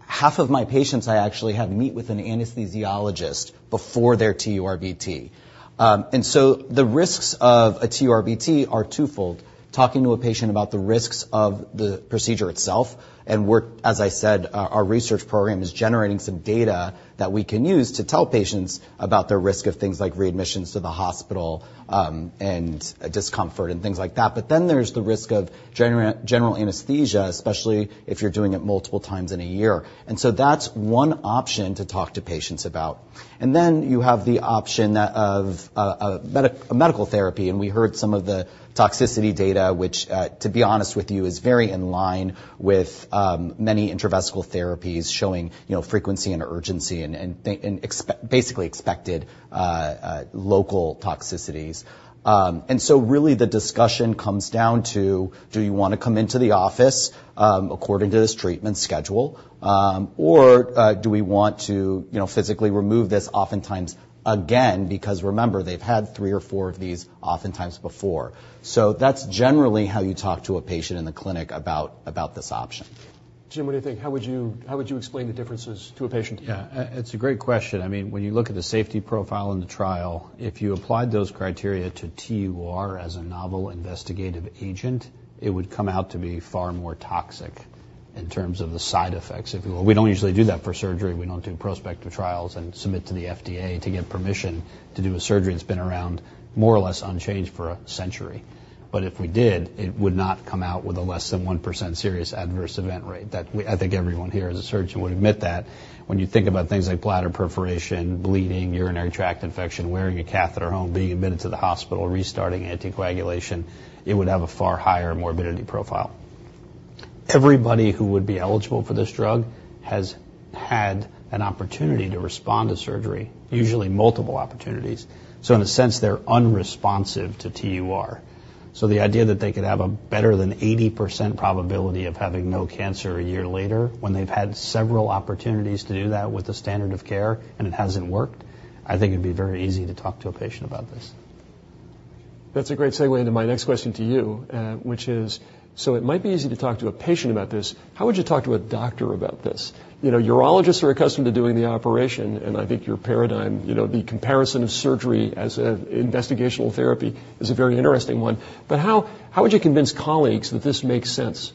half of my patients, I actually have meet with an anesthesiologist before their TURBT. And so the risks of a TURBT are twofold: talking to a patient about the risks of the procedure itself, and we're, as I said, our research program is generating some data that we can use to tell patients about the risk of things like readmissions to the hospital, and discomfort and things like that. But then there's the risk of general anesthesia, especially if you're doing it multiple times in a year. And so that's one option to talk to patients about. You have the option of a medical therapy, and we heard some of the toxicity data, which, to be honest with you, is very in line with many intravesical therapies showing, you know, frequency and urgency and basically expected local toxicities. And so really the discussion comes down to, do you want to come into the office according to this treatment schedule? Or do we want to, you know, physically remove this oftentimes again, because remember, they've had 3 or 4 of these oftentimes before. That's generally how you talk to a patient in the clinic about this option. Jim, what do you think? How would you, how would you explain the differences to a patient? Yeah, it's a great question. I mean, when you look at the safety profile in the trial, if you applied those criteria to TUR as a novel investigative agent, it would come out to be far more toxic in terms of the side effects. If we don't usually do that for surgery, we don't do prospective trials and submit to the FDA to get permission to do a surgery that's been around more or less unchanged for a century. But if we did, it would not come out with a less than 1% serious adverse event rate. That we... I think everyone here as a surgeon would admit that when you think about things like bladder perforation, bleeding, urinary tract infection, wearing a catheter home, being admitted to the hospital, restarting anticoagulation, it would have a far higher morbidity profile. Everybody who would be eligible for this drug has had an opportunity to respond to surgery, usually multiple opportunities. So in a sense, they're unresponsive to TUR. So the idea that they could have a better than 80% probability of having no cancer a year later when they've had several opportunities to do that with the standard of care and it hasn't worked, I think it'd be very easy to talk to a patient about this. That's a great segue into my next question to you, which is: so it might be easy to talk to a patient about this. How would you talk to a doctor about this? You know, urologists are accustomed to doing the operation, and I think your paradigm, you know, the comparison of surgery as an investigational therapy is a very interesting one. But how would you convince colleagues that this makes sense?...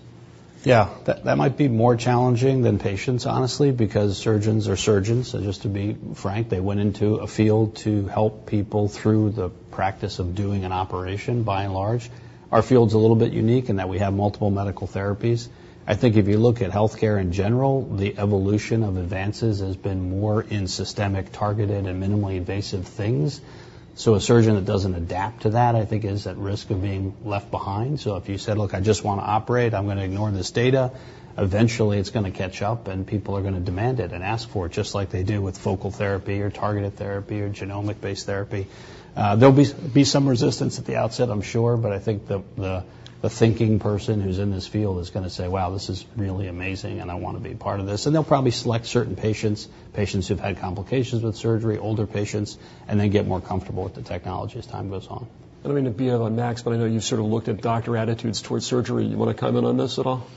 Yeah, that, that might be more challenging than patients, honestly, because surgeons are surgeons, just to be frank. They went into a field to help people through the practice of doing an operation, by and large. Our field's a little bit unique in that we have multiple medical therapies. I think if you look at healthcare in general, the evolution of advances has been more in systemic, targeted, and minimally invasive things. So a surgeon that doesn't adapt to that, I think, is at risk of being left behind. So if you said, "Look, I just want to operate, I'm going to ignore this data," eventually it's going to catch up, and people are going to demand it and ask for it, just like they do with focal therapy or targeted therapy or genomic-based therapy. There'll be some resistance at the outset, I'm sure, but I think the thinking person who's in this field is going to say, "Wow, this is really amazing, and I want to be a part of this." And they'll probably select certain patients, patients who've had complications with surgery, older patients, and then get more comfortable with the technology as time goes on. I don't mean to beat up on Max, but I know you've sort of looked at doctor attitudes towards surgery. You want to comment on this at all?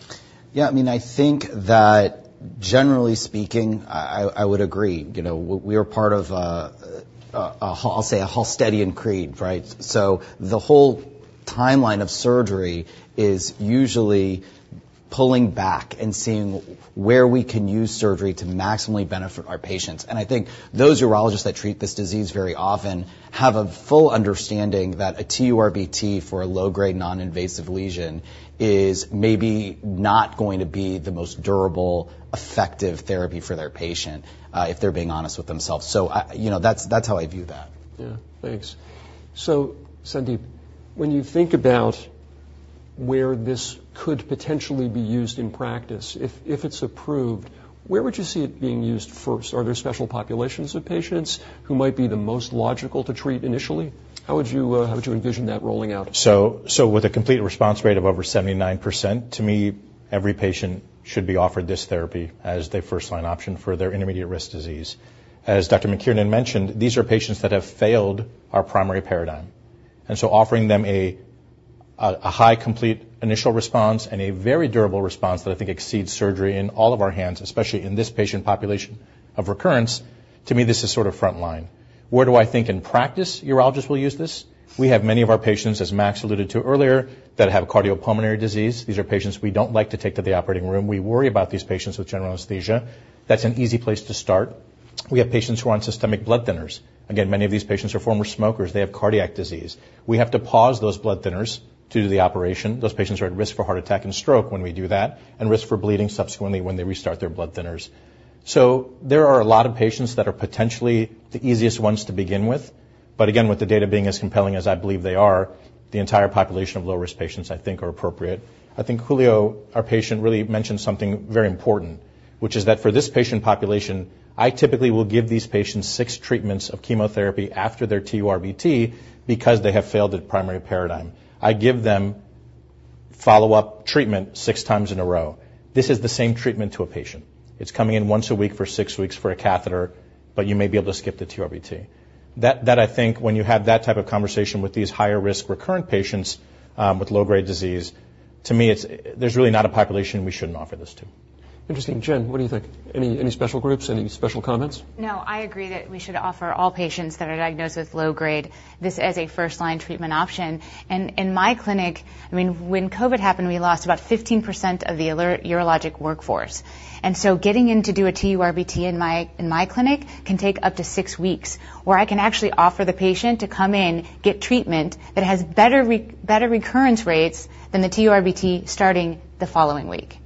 Yeah. I mean, I think that generally speaking, I would agree. You know, we are part of a, I'll say, a Halstedian creed, right? So the whole timeline of surgery is usually pulling back and seeing where we can use surgery to maximally benefit our patients. And I think those urologists that treat this disease very often have a full understanding that a TURBT for a low-grade, non-invasive lesion is maybe not going to be the most durable, effective therapy for their patient, if they're being honest with themselves. So I... You know, that's, that's how I view that. Yeah. Thanks. So, Sandip, when you think about where this could potentially be used in practice, if it's approved, where would you see it being used first? Are there special populations of patients who might be the most logical to treat initially? How would you, how would you envision that rolling out? So, so with a complete response rate of over 79%, to me, every patient should be offered this therapy as their first-line option for their intermediate-risk disease. As Dr. McKiernan mentioned, these are patients that have failed our primary paradigm. And so offering them a high complete initial response and a very durable response that I think exceeds surgery in all of our hands, especially in this patient population of recurrence, to me, this is sort of front line. Where do I think in practice urologists will use this? We have many of our patients, as Max alluded to earlier, that have cardiopulmonary disease. These are patients we don't like to take to the operating room. We worry about these patients with general anesthesia. That's an easy place to start. We have patients who are on systemic blood thinners. Again, many of these patients are former smokers. They have cardiac disease. We have to pause those blood thinners to do the operation. Those patients are at risk for heart attack and stroke when we do that, and risk for bleeding subsequently when they restart their blood thinners. So there are a lot of patients that are potentially the easiest ones to begin with. But again, with the data being as compelling as I believe they are, the entire population of low-risk patients, I think, are appropriate. I think Julio, our patient, really mentioned something very important, which is that for this patient population, I typically will give these patients six treatments of chemotherapy after their TURBT because they have failed at primary paradigm. I give them follow-up treatment six times in a row. This is the same treatment to a patient. It's coming in once a week for six weeks for a catheter, but you may be able to skip the TURBT. That, I think, when you have that type of conversation with these higher-risk, recurrent patients, with low-grade disease, to me, it's, there's really not a population we shouldn't offer this to. Interesting. Jen, what do you think? Any, any special groups? Any special comments? No, I agree that we should offer all patients that are diagnosed with low grade this as a first-line treatment option. In my clinic, I mean, when COVID happened, we lost about 15% of the urologic workforce. And so getting in to do a TURBT in my clinic can take up to six weeks, where I can actually offer the patient to come in, get treatment that has better recurrence rates than the TURBT, starting the following week.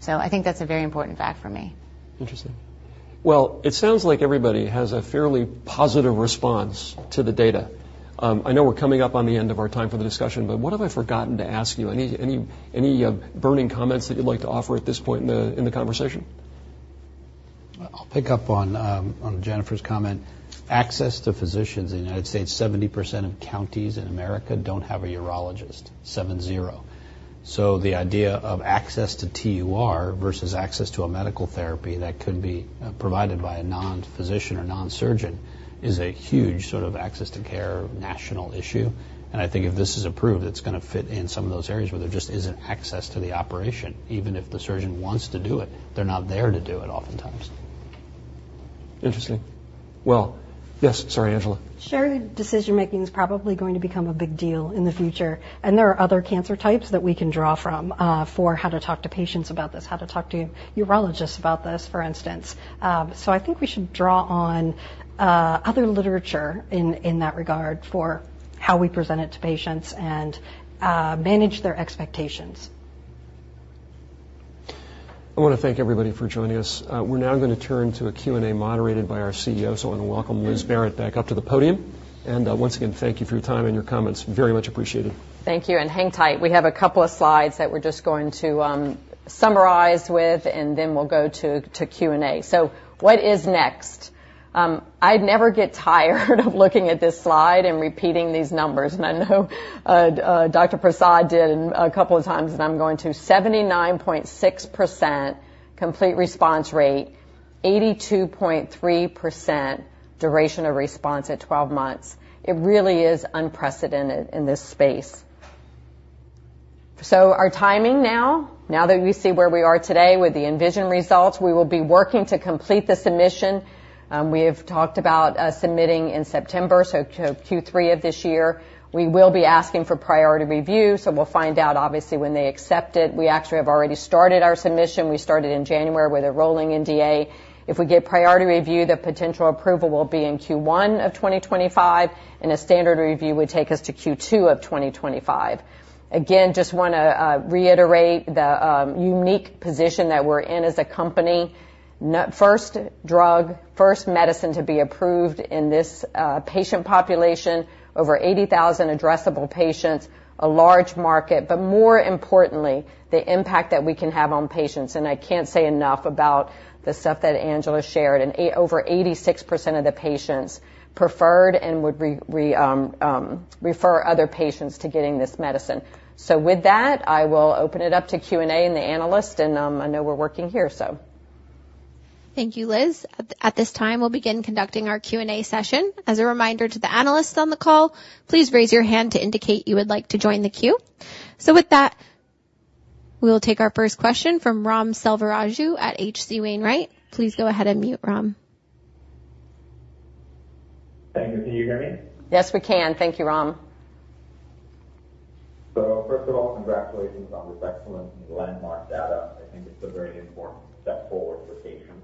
So I think that's a very important fact for me. Interesting. Well, it sounds like everybody has a fairly positive response to the data. I know we're coming up on the end of our time for the discussion, but what have I forgotten to ask you? Any burning comments that you'd like to offer at this point in the conversation? I'll pick up on, on Jennifer's comment. Access to physicians in the United States, 70% of counties in America don't have a urologist, 70. So the idea of access to TUR versus access to a medical therapy that could be provided by a non-physician or non-surgeon is a huge sort of access to care national issue. And I think if this is approved, it's going to fit in some of those areas where there just isn't access to the operation. Even if the surgeon wants to do it, they're not there to do it oftentimes. Interesting. Well... Yes, sorry, Angela. Shared decision-making is probably going to become a big deal in the future, and there are other cancer types that we can draw from, for how to talk to patients about this, how to talk to urologists about this, for instance. So I think we should draw on, other literature in, in that regard for how we present it to patients and, manage their expectations. I want to thank everybody for joining us. We're now going to turn to a Q&A moderated by our CEO. I want to welcome Liz Barrett back up to the podium. Once again, thank you for your time and your comments. Very much appreciated. Thank you, and hang tight. We have a couple of slides that we're just going to summarize with, and then we'll go to Q&A. So what is next? I'd never get tired of looking at this slide and repeating these numbers. And I know Dr. Prasad did a couple of times, and I'm going to. 79.6% complete response rate, 82.3% duration of response at 12 months. It really is unprecedented in this space. So our timing now, now that we see where we are today with the ENVISION results, we will be working to complete the submission. We have talked about submitting in September, so Q3 of this year. We will be asking for priority review, so we'll find out obviously when they accept it. We actually have already started our submission. We started in January with a rolling NDA. If we get priority review, the potential approval will be in Q1 of 2025, and a standard review would take us to Q2 of 2025. Again, just wanna reiterate the unique position that we're in as a company. First drug, first medicine to be approved in this patient population, over 80,000 addressable patients, a large market, but more importantly, the impact that we can have on patients. And I can't say enough about the stuff that Angela shared, and over 86% of the patients preferred and would refer other patients to getting this medicine. So with that, I will open it up to Q&A and the analyst, and I know we're working here, so. Thank you, Liz. At this time, we'll begin conducting our Q&A session. As a reminder to the analysts on the call, please raise your hand to indicate you would like to join the queue. So with that, we'll take our first question from Ram Selvaraju at H.C. Wainwright. Please go ahead, unmute, Ram. Thank you. Can you hear me? Yes, we can. Thank you, Ram. First of all, congratulations on this excellent and landmark data. I think it's a very important step forward for patients.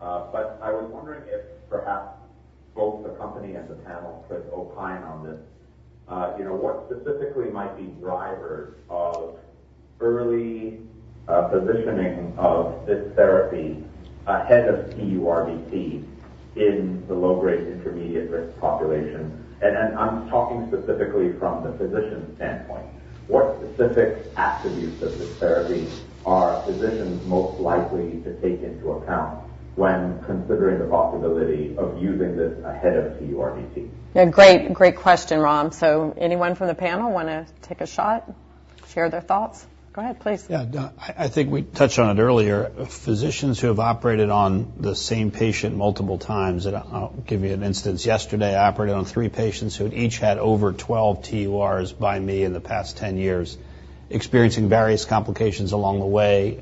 But I was wondering if perhaps both the company and the panel could opine on this. You know, what specifically might be drivers of early positioning of this therapy ahead of TURBT in the low-grade intermediate-risk population? And then I'm talking specifically from the physician's standpoint. What specific attributes of this therapy are physicians most likely to take into account when considering the possibility of using this ahead of TURBT? Yeah, great, great question, Ram. So anyone from the panel wanna take a shot, share their thoughts? Go ahead, please. Yeah, I think we touched on it earlier. Physicians who have operated on the same patient multiple times, and I'll give you an instance. Yesterday, I operated on 3 patients who had each had over 12 TURs by me in the past 10 years, experiencing various complications along the way.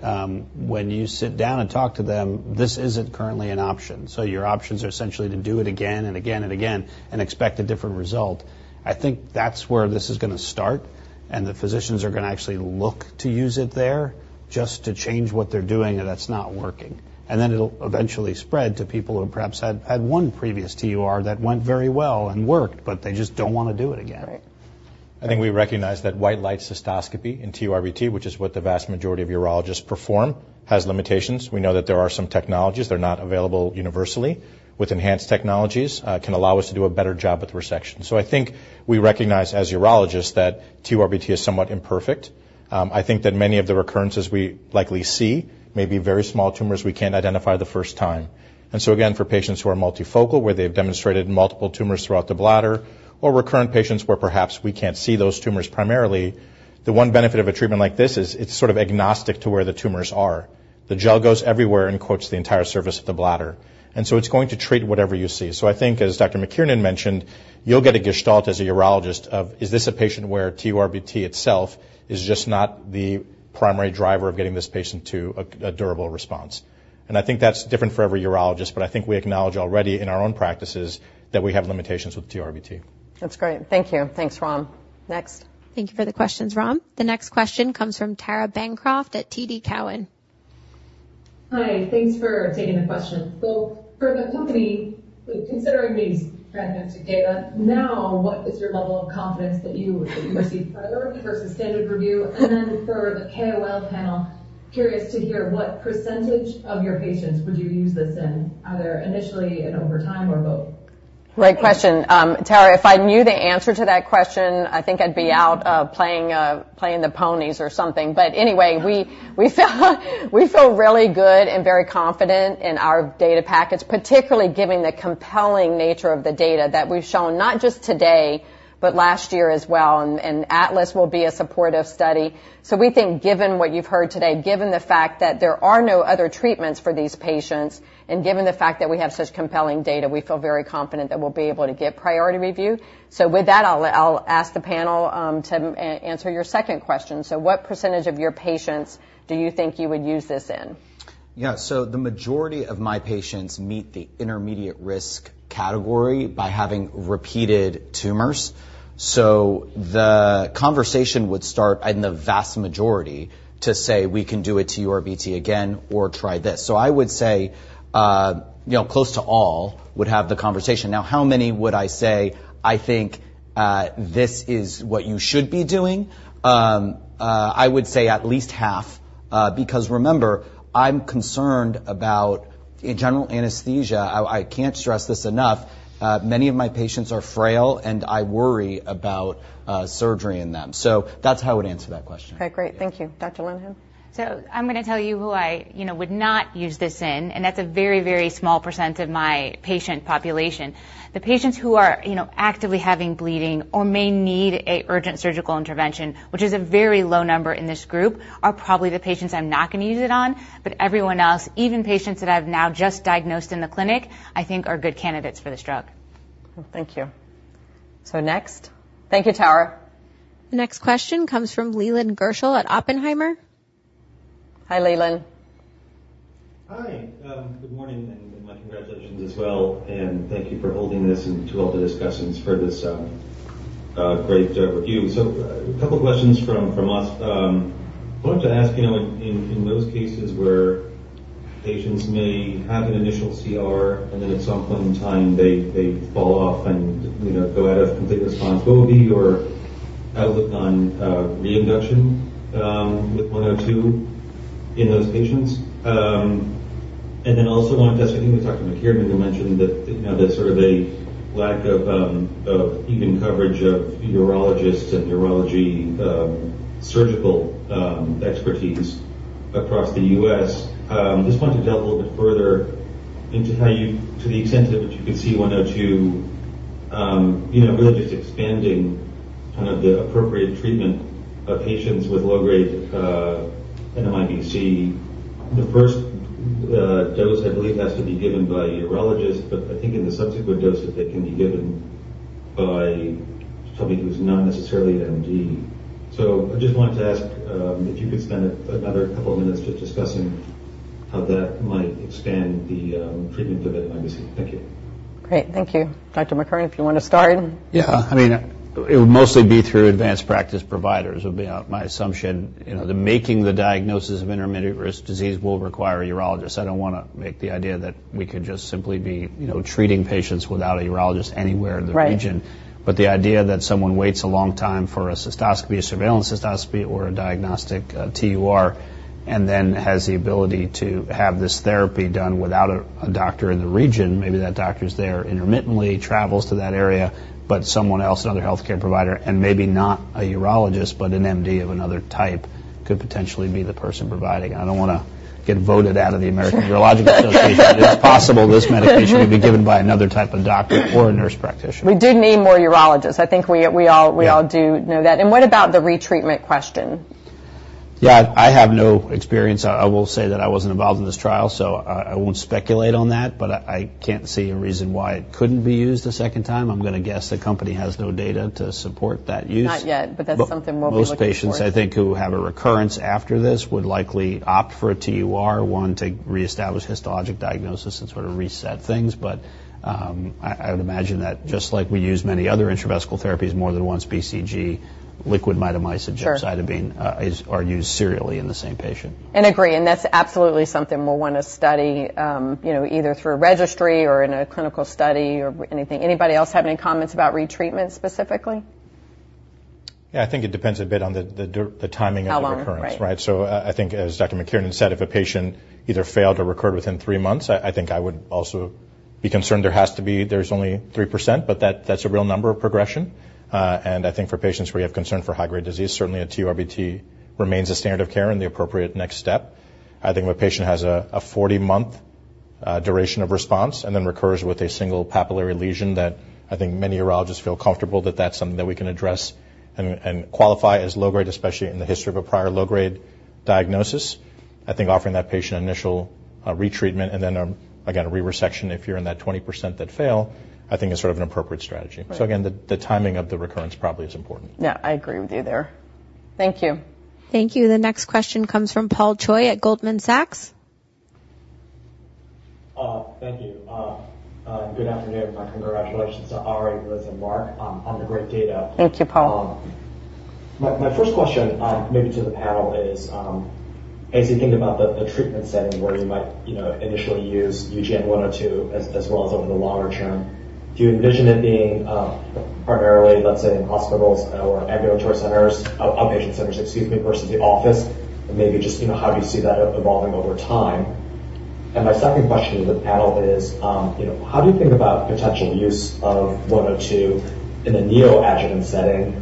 When you sit down and talk to them, this isn't currently an option, so your options are essentially to do it again and again and again and expect a different result. I think that's where this is gonna start, and the physicians are gonna actually look to use it there just to change what they're doing, and that's not working. And then it'll eventually spread to people who perhaps had one previous TUR that went very well and worked, but they just don't wanna do it again. Right. I think we recognize that white light cystoscopy in TURBT, which is what the vast majority of urologists perform, has limitations. We know that there are some technologies that are not available universally, with enhanced technologies, can allow us to do a better job with resection. So I think we recognize, as urologists, that TURBT is somewhat imperfect. I think that many of the recurrences we likely see may be very small tumors we can't identify the first time. And so again, for patients who are multifocal, where they've demonstrated multiple tumors throughout the bladder, or recurrent patients where perhaps we can't see those tumors primarily, the one benefit of a treatment like this is it's sort of agnostic to where the tumors are. The gel goes everywhere and coats the entire surface of the bladder, and so it's going to treat whatever you see. I think, as Dr. McKiernan mentioned, you'll get a gestalt as a urologist of, is this a patient where TURBT itself is just not the primary driver of getting this patient to a durable response? And I think that's different for every urologist, but I think we acknowledge already in our own practices that we have limitations with TURBT. That's great. Thank you. Thanks, Ram. Next. Thank you for the questions, Ram. The next question comes from Tara Bancroft at TD Cowen. Hi, thanks for taking the question. For the company, considering these fantastic data, now, what is your level of confidence that you will receive priority versus standard review? And then for the KOL panel, curious to hear what percentage of your patients would you use this in, either initially and over time or both? Great question. Tara, if I knew the answer to that question, I think I'd be out, playing the ponies or something. But anyway, we feel really good and very confident in our data package, particularly given the compelling nature of the data that we've shown, not just today, but last year as well, and ATLAS will be a supportive study. So we think given what you've heard today, given the fact that there are no other treatments for these patients, and given the fact that we have such compelling data, we feel very confident that we'll be able to get priority review. So with that, I'll ask the panel to answer your second question: So what percentage of your patients do you think you would use this in? Yeah, so the majority of my patients meet the intermediate risk category by having repeated tumors. So the conversation would start in the vast majority to say, "We can do a TURBT again or try this." So I would say, you know, close to all would have the conversation. Now, how many would I say, "I think, this is what you should be doing?" I would say at least half, because remember, I'm concerned about general anesthesia. I can't stress this enough. Many of my patients are frail, and I worry about, surgery in them. So that's how I would answer that question. Okay, great. Thank you. Dr. Linehan? So I'm gonna tell you who I, you know, would not use this in, and that's a very, very small percent of my patient population. The patients who are, you know, actively having bleeding or may need an urgent surgical intervention, which is a very low number in this group, are probably the patients I'm not gonna use it on. But everyone else, even patients that I've now just diagnosed in the clinic, I think are good candidates for this drug. Thank you. So next. Thank you, Tara. The next question comes from Leland Gershell at Oppenheimer. Hi, Leland. Hi, good morning, and my congratulations as well, and thank you for holding this, and to all the discussions for this, great review. So a couple questions from us. I wanted to ask, you know, in those cases where patients may have an initial CR, and then at some point in time they fall off and, you know, go out of complete response, what would be your outlook on reinduction with 102 in those patients? And then also wanted to ask, I think Dr. McKiernan, you mentioned that, you know, that sort of a lack of even coverage of urologists and urology surgical expertise across the U.S. Just wanted to delve a little bit further into how you to the extent of which you could see 102, you know, really just expanding kind of the appropriate treatment of patients with low-grade NMIBC. The first dose, I believe, has to be given by a urologist, but I think in the subsequent doses, they can be given by somebody who's not necessarily an MD. So I just wanted to ask if you could spend another couple of minutes just discussing how that might expand the treatment of NMIBC. Thank you. Great. Thank you. Dr. McKiernan, if you want to start? Yeah. I mean, it would mostly be through advanced practice providers, would be my assumption. You know, making the diagnosis of intermediate-risk disease will require a urologist. I don't want to make the idea that we could just simply be, you know, treating patients without a urologist anywhere in the region. Right. But the idea that someone waits a long time for a cystoscopy, a surveillance cystoscopy, or a diagnostic TUR, and then has the ability to have this therapy done without a doctor in the region. Maybe that doctor's there intermittently, travels to that area, but someone else, another healthcare provider, and maybe not a urologist, but an MD of another type, could potentially be the person providing it. I don't want to get voted out of the American Urological Association. But it's possible this medication could be given by another type of doctor or a nurse practitioner. We do need more urologists. I think we all- Yeah. Do know that. What about the retreatment question? Yeah, I have no experience. I will say that I wasn't involved in this trial, so I won't speculate on that, but I can't see a reason why it couldn't be used a second time. I'm gonna guess the company has no data to support that use. Not yet, but that's something we'll be looking for. Most patients, I think, who have a recurrence after this would likely opt for a TUR, one, to reestablish histologic diagnosis and sort of reset things. But, I would imagine that just like we use many other intravesical therapies more than once, BCG, liquid mitomycin- Sure. and gemcitabine are used serially in the same patient. And agree, and that's absolutely something we'll want to study, you know, either through a registry or in a clinical study or anything. Anybody else have any comments about retreatment specifically? Yeah, I think it depends a bit on the timing of the recurrence. How long, right? Right. So I think, as Dr. McKiernan said, if a patient either failed or recurred within three months, I think I would also be concerned. There has to be... There's only 3%, but that, that's a real number of progression. And I think for patients where you have concern for high-grade disease, certainly a TURBT remains a standard of care and the appropriate next step. I think if a patient has a 40-month duration of response and then recurs with a single papillary lesion, that I think many urologists feel comfortable that that's something that we can address and qualify as low-grade, especially in the history of a prior low-grade diagnosis. I think offering that patient initial retreatment and then again, a re-resection if you're in that 20% that fail, I think is sort of an appropriate strategy. Right. So again, the timing of the recurrence probably is important. Yeah, I agree with you there. Thank you. Thank you. The next question comes from Paul Choi at Goldman Sachs. Thank you. Good afternoon, my congratulations to Arie, Liz, and Mark on the great data. Thank you, Paul. My first question, maybe to the panel is, as you think about the treatment setting where you might, you know, initially use UGN-102 as well as over the longer term, do you envision it being primarily, let's say, in hospitals or ambulatory centers... Outpatient centers, excuse me, versus the office? And maybe just, you know, how do you see that evolving over time? And my second question to the panel is, you know, how do you think about potential use of 102 in the neoadjuvant setting,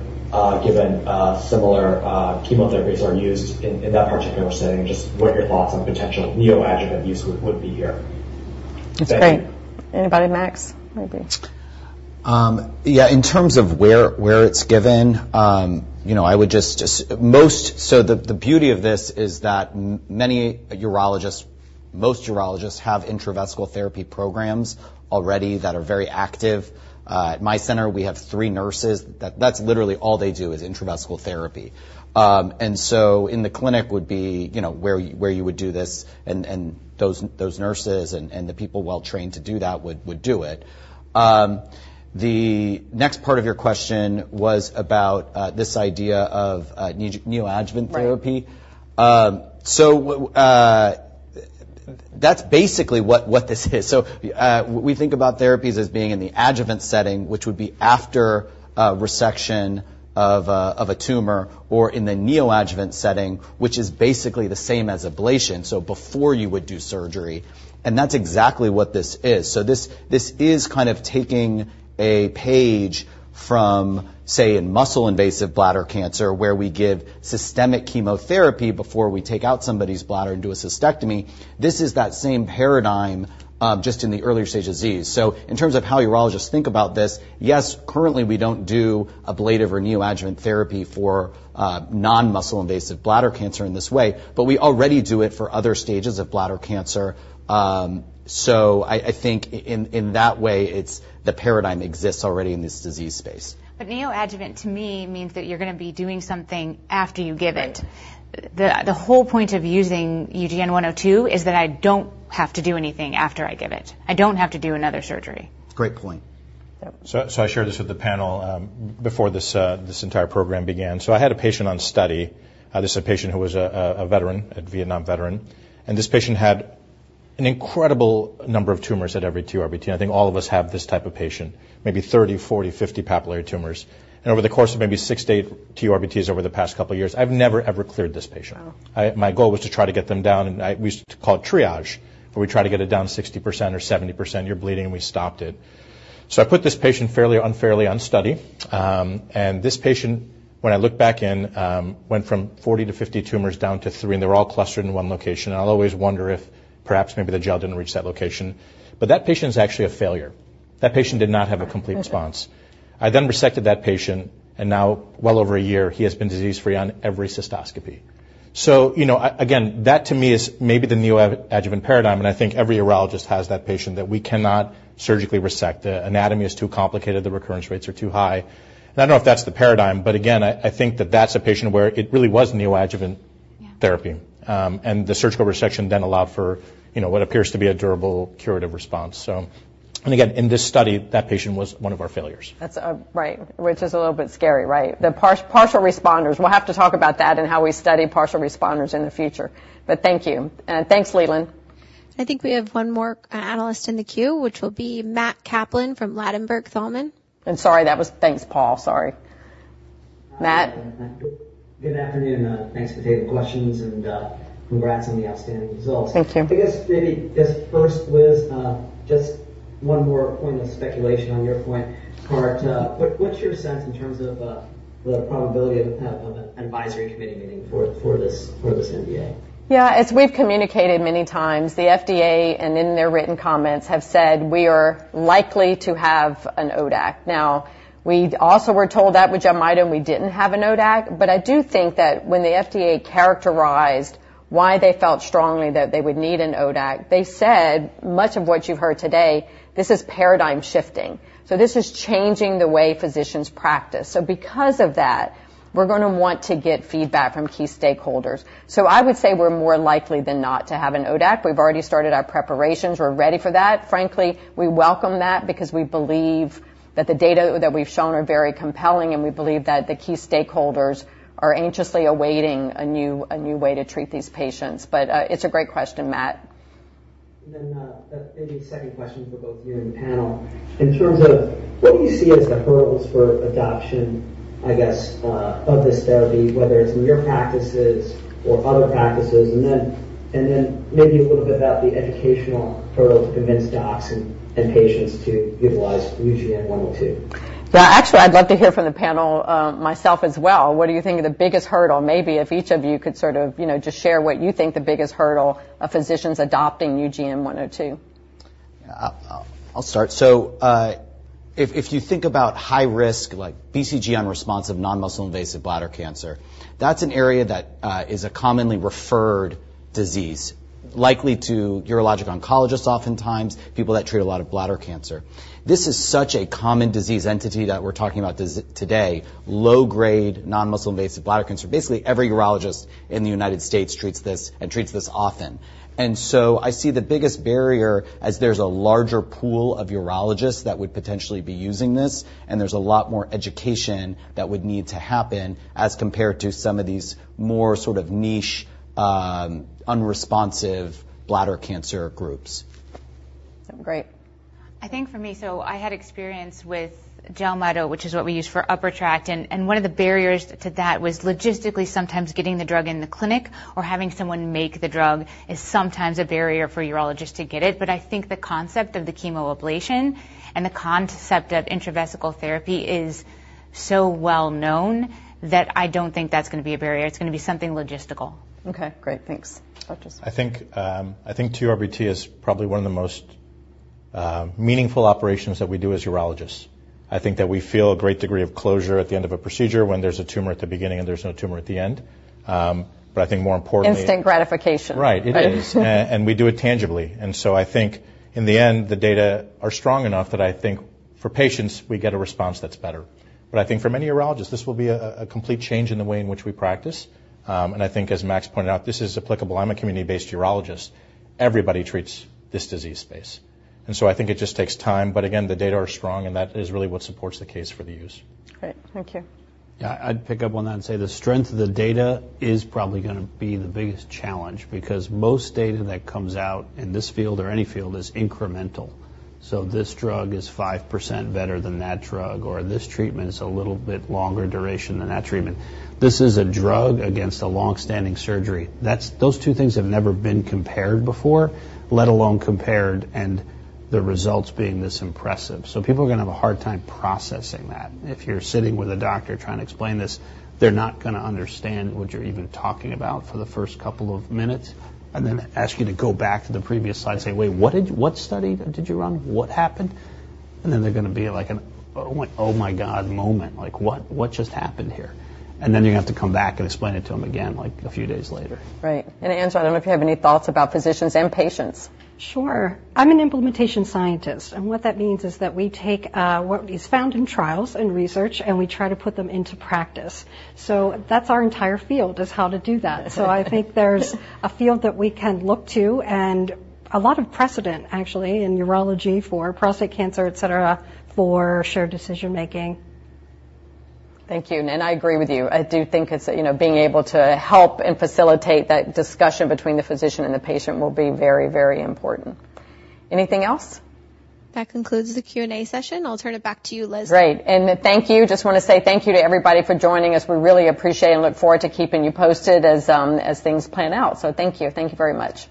given similar chemotherapies are used in that particular setting? Just what are your thoughts on potential neoadjuvant use would be here. Thank you. That's great. Anybody? Max, maybe. Yeah, in terms of where it's given, you know, I would just... So the beauty of this is that many urologists, most urologists have intravesical therapy programs already that are very active. At my center, we have three nurses, that's literally all they do is intravesical therapy. And so in the clinic would be, you know, where you would do this, and those nurses and the people well trained to do that would do it. The next part of your question was about this idea of neoadjuvant therapy. Right. So, that's basically what this is. So, we think about therapies as being in the adjuvant setting, which would be after resection of a tumor, or in the neoadjuvant setting, which is basically the same as ablation, so before you would do surgery, and that's exactly what this is. So this, this is kind of taking a page from, say, in muscle-invasive bladder cancer, where we give systemic chemotherapy before we take out somebody's bladder and do a cystectomy. This is that same paradigm, just in the earlier stage of disease. So in terms of how urologists think about this, yes, currently, we don't do ablative or neoadjuvant therapy for non-muscle invasive bladder cancer in this way, but we already do it for other stages of bladder cancer.... So I think in that way, it's the paradigm exists already in this disease space. But neoadjuvant, to me, means that you're gonna be doing something after you give it. The whole point of using UGN-102 is that I don't have to do anything after I give it. I don't have to do another surgery. Great point. So, so I shared this with the panel, before this, this entire program began. So I had a patient on study, this is a patient who was a veteran, a Vietnam veteran. And this patient had an incredible number of tumors at every TURBT. I think all of us have this type of patient, maybe 30, 40, 50 papillary tumors. And over the course of maybe 6 to 8 TURBTs over the past couple of years, I've never, ever cleared this patient. Wow. My goal was to try to get them down, and we call it triage, where we try to get it down 60% or 70%. You're bleeding, and we stopped it. So I put this patient fairly, unfairly on study. And this patient, when I looked back in, went from 40-50 tumors down to 3, and they were all clustered in one location. I'll always wonder if perhaps maybe the gel didn't reach that location. That patient is actually a failure. That patient did not have a complete response. Okay. I then resected that patient, and now, well over a year, he has been disease-free on every cystoscopy. So, you know, again, that to me is maybe the new neoadjuvant paradigm, and I think every urologist has that patient that we cannot surgically resect. The anatomy is too complicated, the recurrence rates are too high. And I don't know if that's the paradigm, but again, I, I think that that's a patient where it really was neoadjuvant- Yeah... therapy. And the surgical resection then allowed for, you know, what appears to be a durable, curative response, so. Again, in this study, that patient was one of our failures. That's right. Which is a little bit scary, right? The partial responders. We'll have to talk about that and how we study partial responders in the future. But thank you. And thanks, Leland. I think we have one more analyst in the queue, which will be Matt Kaplan from Ladenburg Thalmann. Sorry, that was... Thanks, Paul. Sorry. Matt? Good afternoon, thanks for taking the questions, and congrats on the outstanding results. Thank you. I guess maybe just first, Liz, just one more point of speculation on your point. What's your sense in terms of the probability of an advisory committee meeting for this NDA? Yeah, as we've communicated many times, the FDA, and in their written comments, have said we are likely to have an ODAC. Now, we also were told that with Jelmyto, we didn't have an ODAC. But I do think that when the FDA characterized why they felt strongly that they would need an ODAC, they said, much of what you've heard today, this is paradigm shifting. So this is changing the way physicians practice. So because of that, we're gonna want to get feedback from key stakeholders. So I would say we're more likely than not to have an ODAC. We've already started our preparations. We're ready for that. Frankly, we welcome that because we believe that the data that we've shown are very compelling, and we believe that the key stakeholders are anxiously awaiting a new, a new way to treat these patients. But, it's a great question, Matt. Then, maybe a second question for both you and the panel. In terms of what you see as the hurdles for adoption, I guess, of this therapy, whether it's in your practices or other practices, and then maybe a little bit about the educational hurdle to convince docs and patients to utilize UGN-102. Well, actually, I'd love to hear from the panel, myself as well. What do you think are the biggest hurdle? Maybe if each of you could sort of, you know, just share what you think the biggest hurdle of physicians adopting UGN-102. I'll start. So, if you think about high risk, like BCG unresponsive, non-muscle invasive bladder cancer, that's an area that is a commonly referred disease, likely to urologic oncologists, oftentimes, people that treat a lot of bladder cancer. This is such a common disease entity that we're talking about today, low-grade non-muscle invasive bladder cancer. Basically, every urologist in the United States treats this and treats this often. And so I see the biggest barrier as there's a larger pool of urologists that would potentially be using this, and there's a lot more education that would need to happen, as compared to some of these more sort of niche, unresponsive bladder cancer groups. Great. I think for me, so I had experience with gemcitabine, which is what we use for upper tract, and one of the barriers to that was logistically, sometimes getting the drug in the clinic or having someone make the drug is sometimes a barrier for urologists to get it. But I think the concept of the chemoablation and the concept of intravesical therapy is so well known that I don't think that's gonna be a barrier. It's gonna be something logistical. Okay, great. Thanks. Dr. Sandip? I think TURBT is probably one of the most meaningful operations that we do as urologists. I think that we feel a great degree of closure at the end of a procedure when there's a tumor at the beginning and there's no tumor at the end. But I think more importantly- Instant gratification. Right. It is. And we do it tangibly. And so I think in the end, the data are strong enough that I think for patients, we get a response that's better. But I think for many urologists, this will be a complete change in the way in which we practice. And I think as Max pointed out, this is applicable. I'm a community-based urologist. Everybody treats this disease space. And so I think it just takes time, but again, the data are strong, and that is really what supports the case for the use. Great. Thank you. Yeah, I'd pick up on that and say the strength of the data is probably gonna be the biggest challenge because most data that comes out in this field or any field is incremental. So this drug is 5% better than that drug, or this treatment is a little bit longer duration than that treatment. This is a drug against a long-standing surgery. That's, those two things have never been compared before, let alone compared, and the results being this impressive. So people are gonna have a hard time processing that. If you're sitting with a doctor trying to explain this, they're not gonna understand what you're even talking about for the first couple of minutes, and then ask you to go back to the previous slide and say, "Wait, what did you... What study did you run? What happened?" And then they're gonna be like, "Oh, my God," moment. Like, "What? What just happened here?" And then you're gonna have to come back and explain it to them again, like, a few days later. Right. Angela, I don't know if you have any thoughts about physicians and patients? Sure. I'm an implementation scientist, and what that means is that we take what is found in trials and research, and we try to put them into practice. So that's our entire field, is how to do that. So I think there's a field that we can look to and a lot of precedent, actually, in urology for prostate cancer, et cetera, for shared decision-making. Thank you. I agree with you. I do think it's, you know, being able to help and facilitate that discussion between the physician and the patient will be very, very important. Anything else? That concludes the Q&A session. I'll turn it back to you, Liz. Great. And thank you. Just wanna say thank you to everybody for joining us. We really appreciate and look forward to keeping you posted as, as things pan out. So thank you. Thank you very much.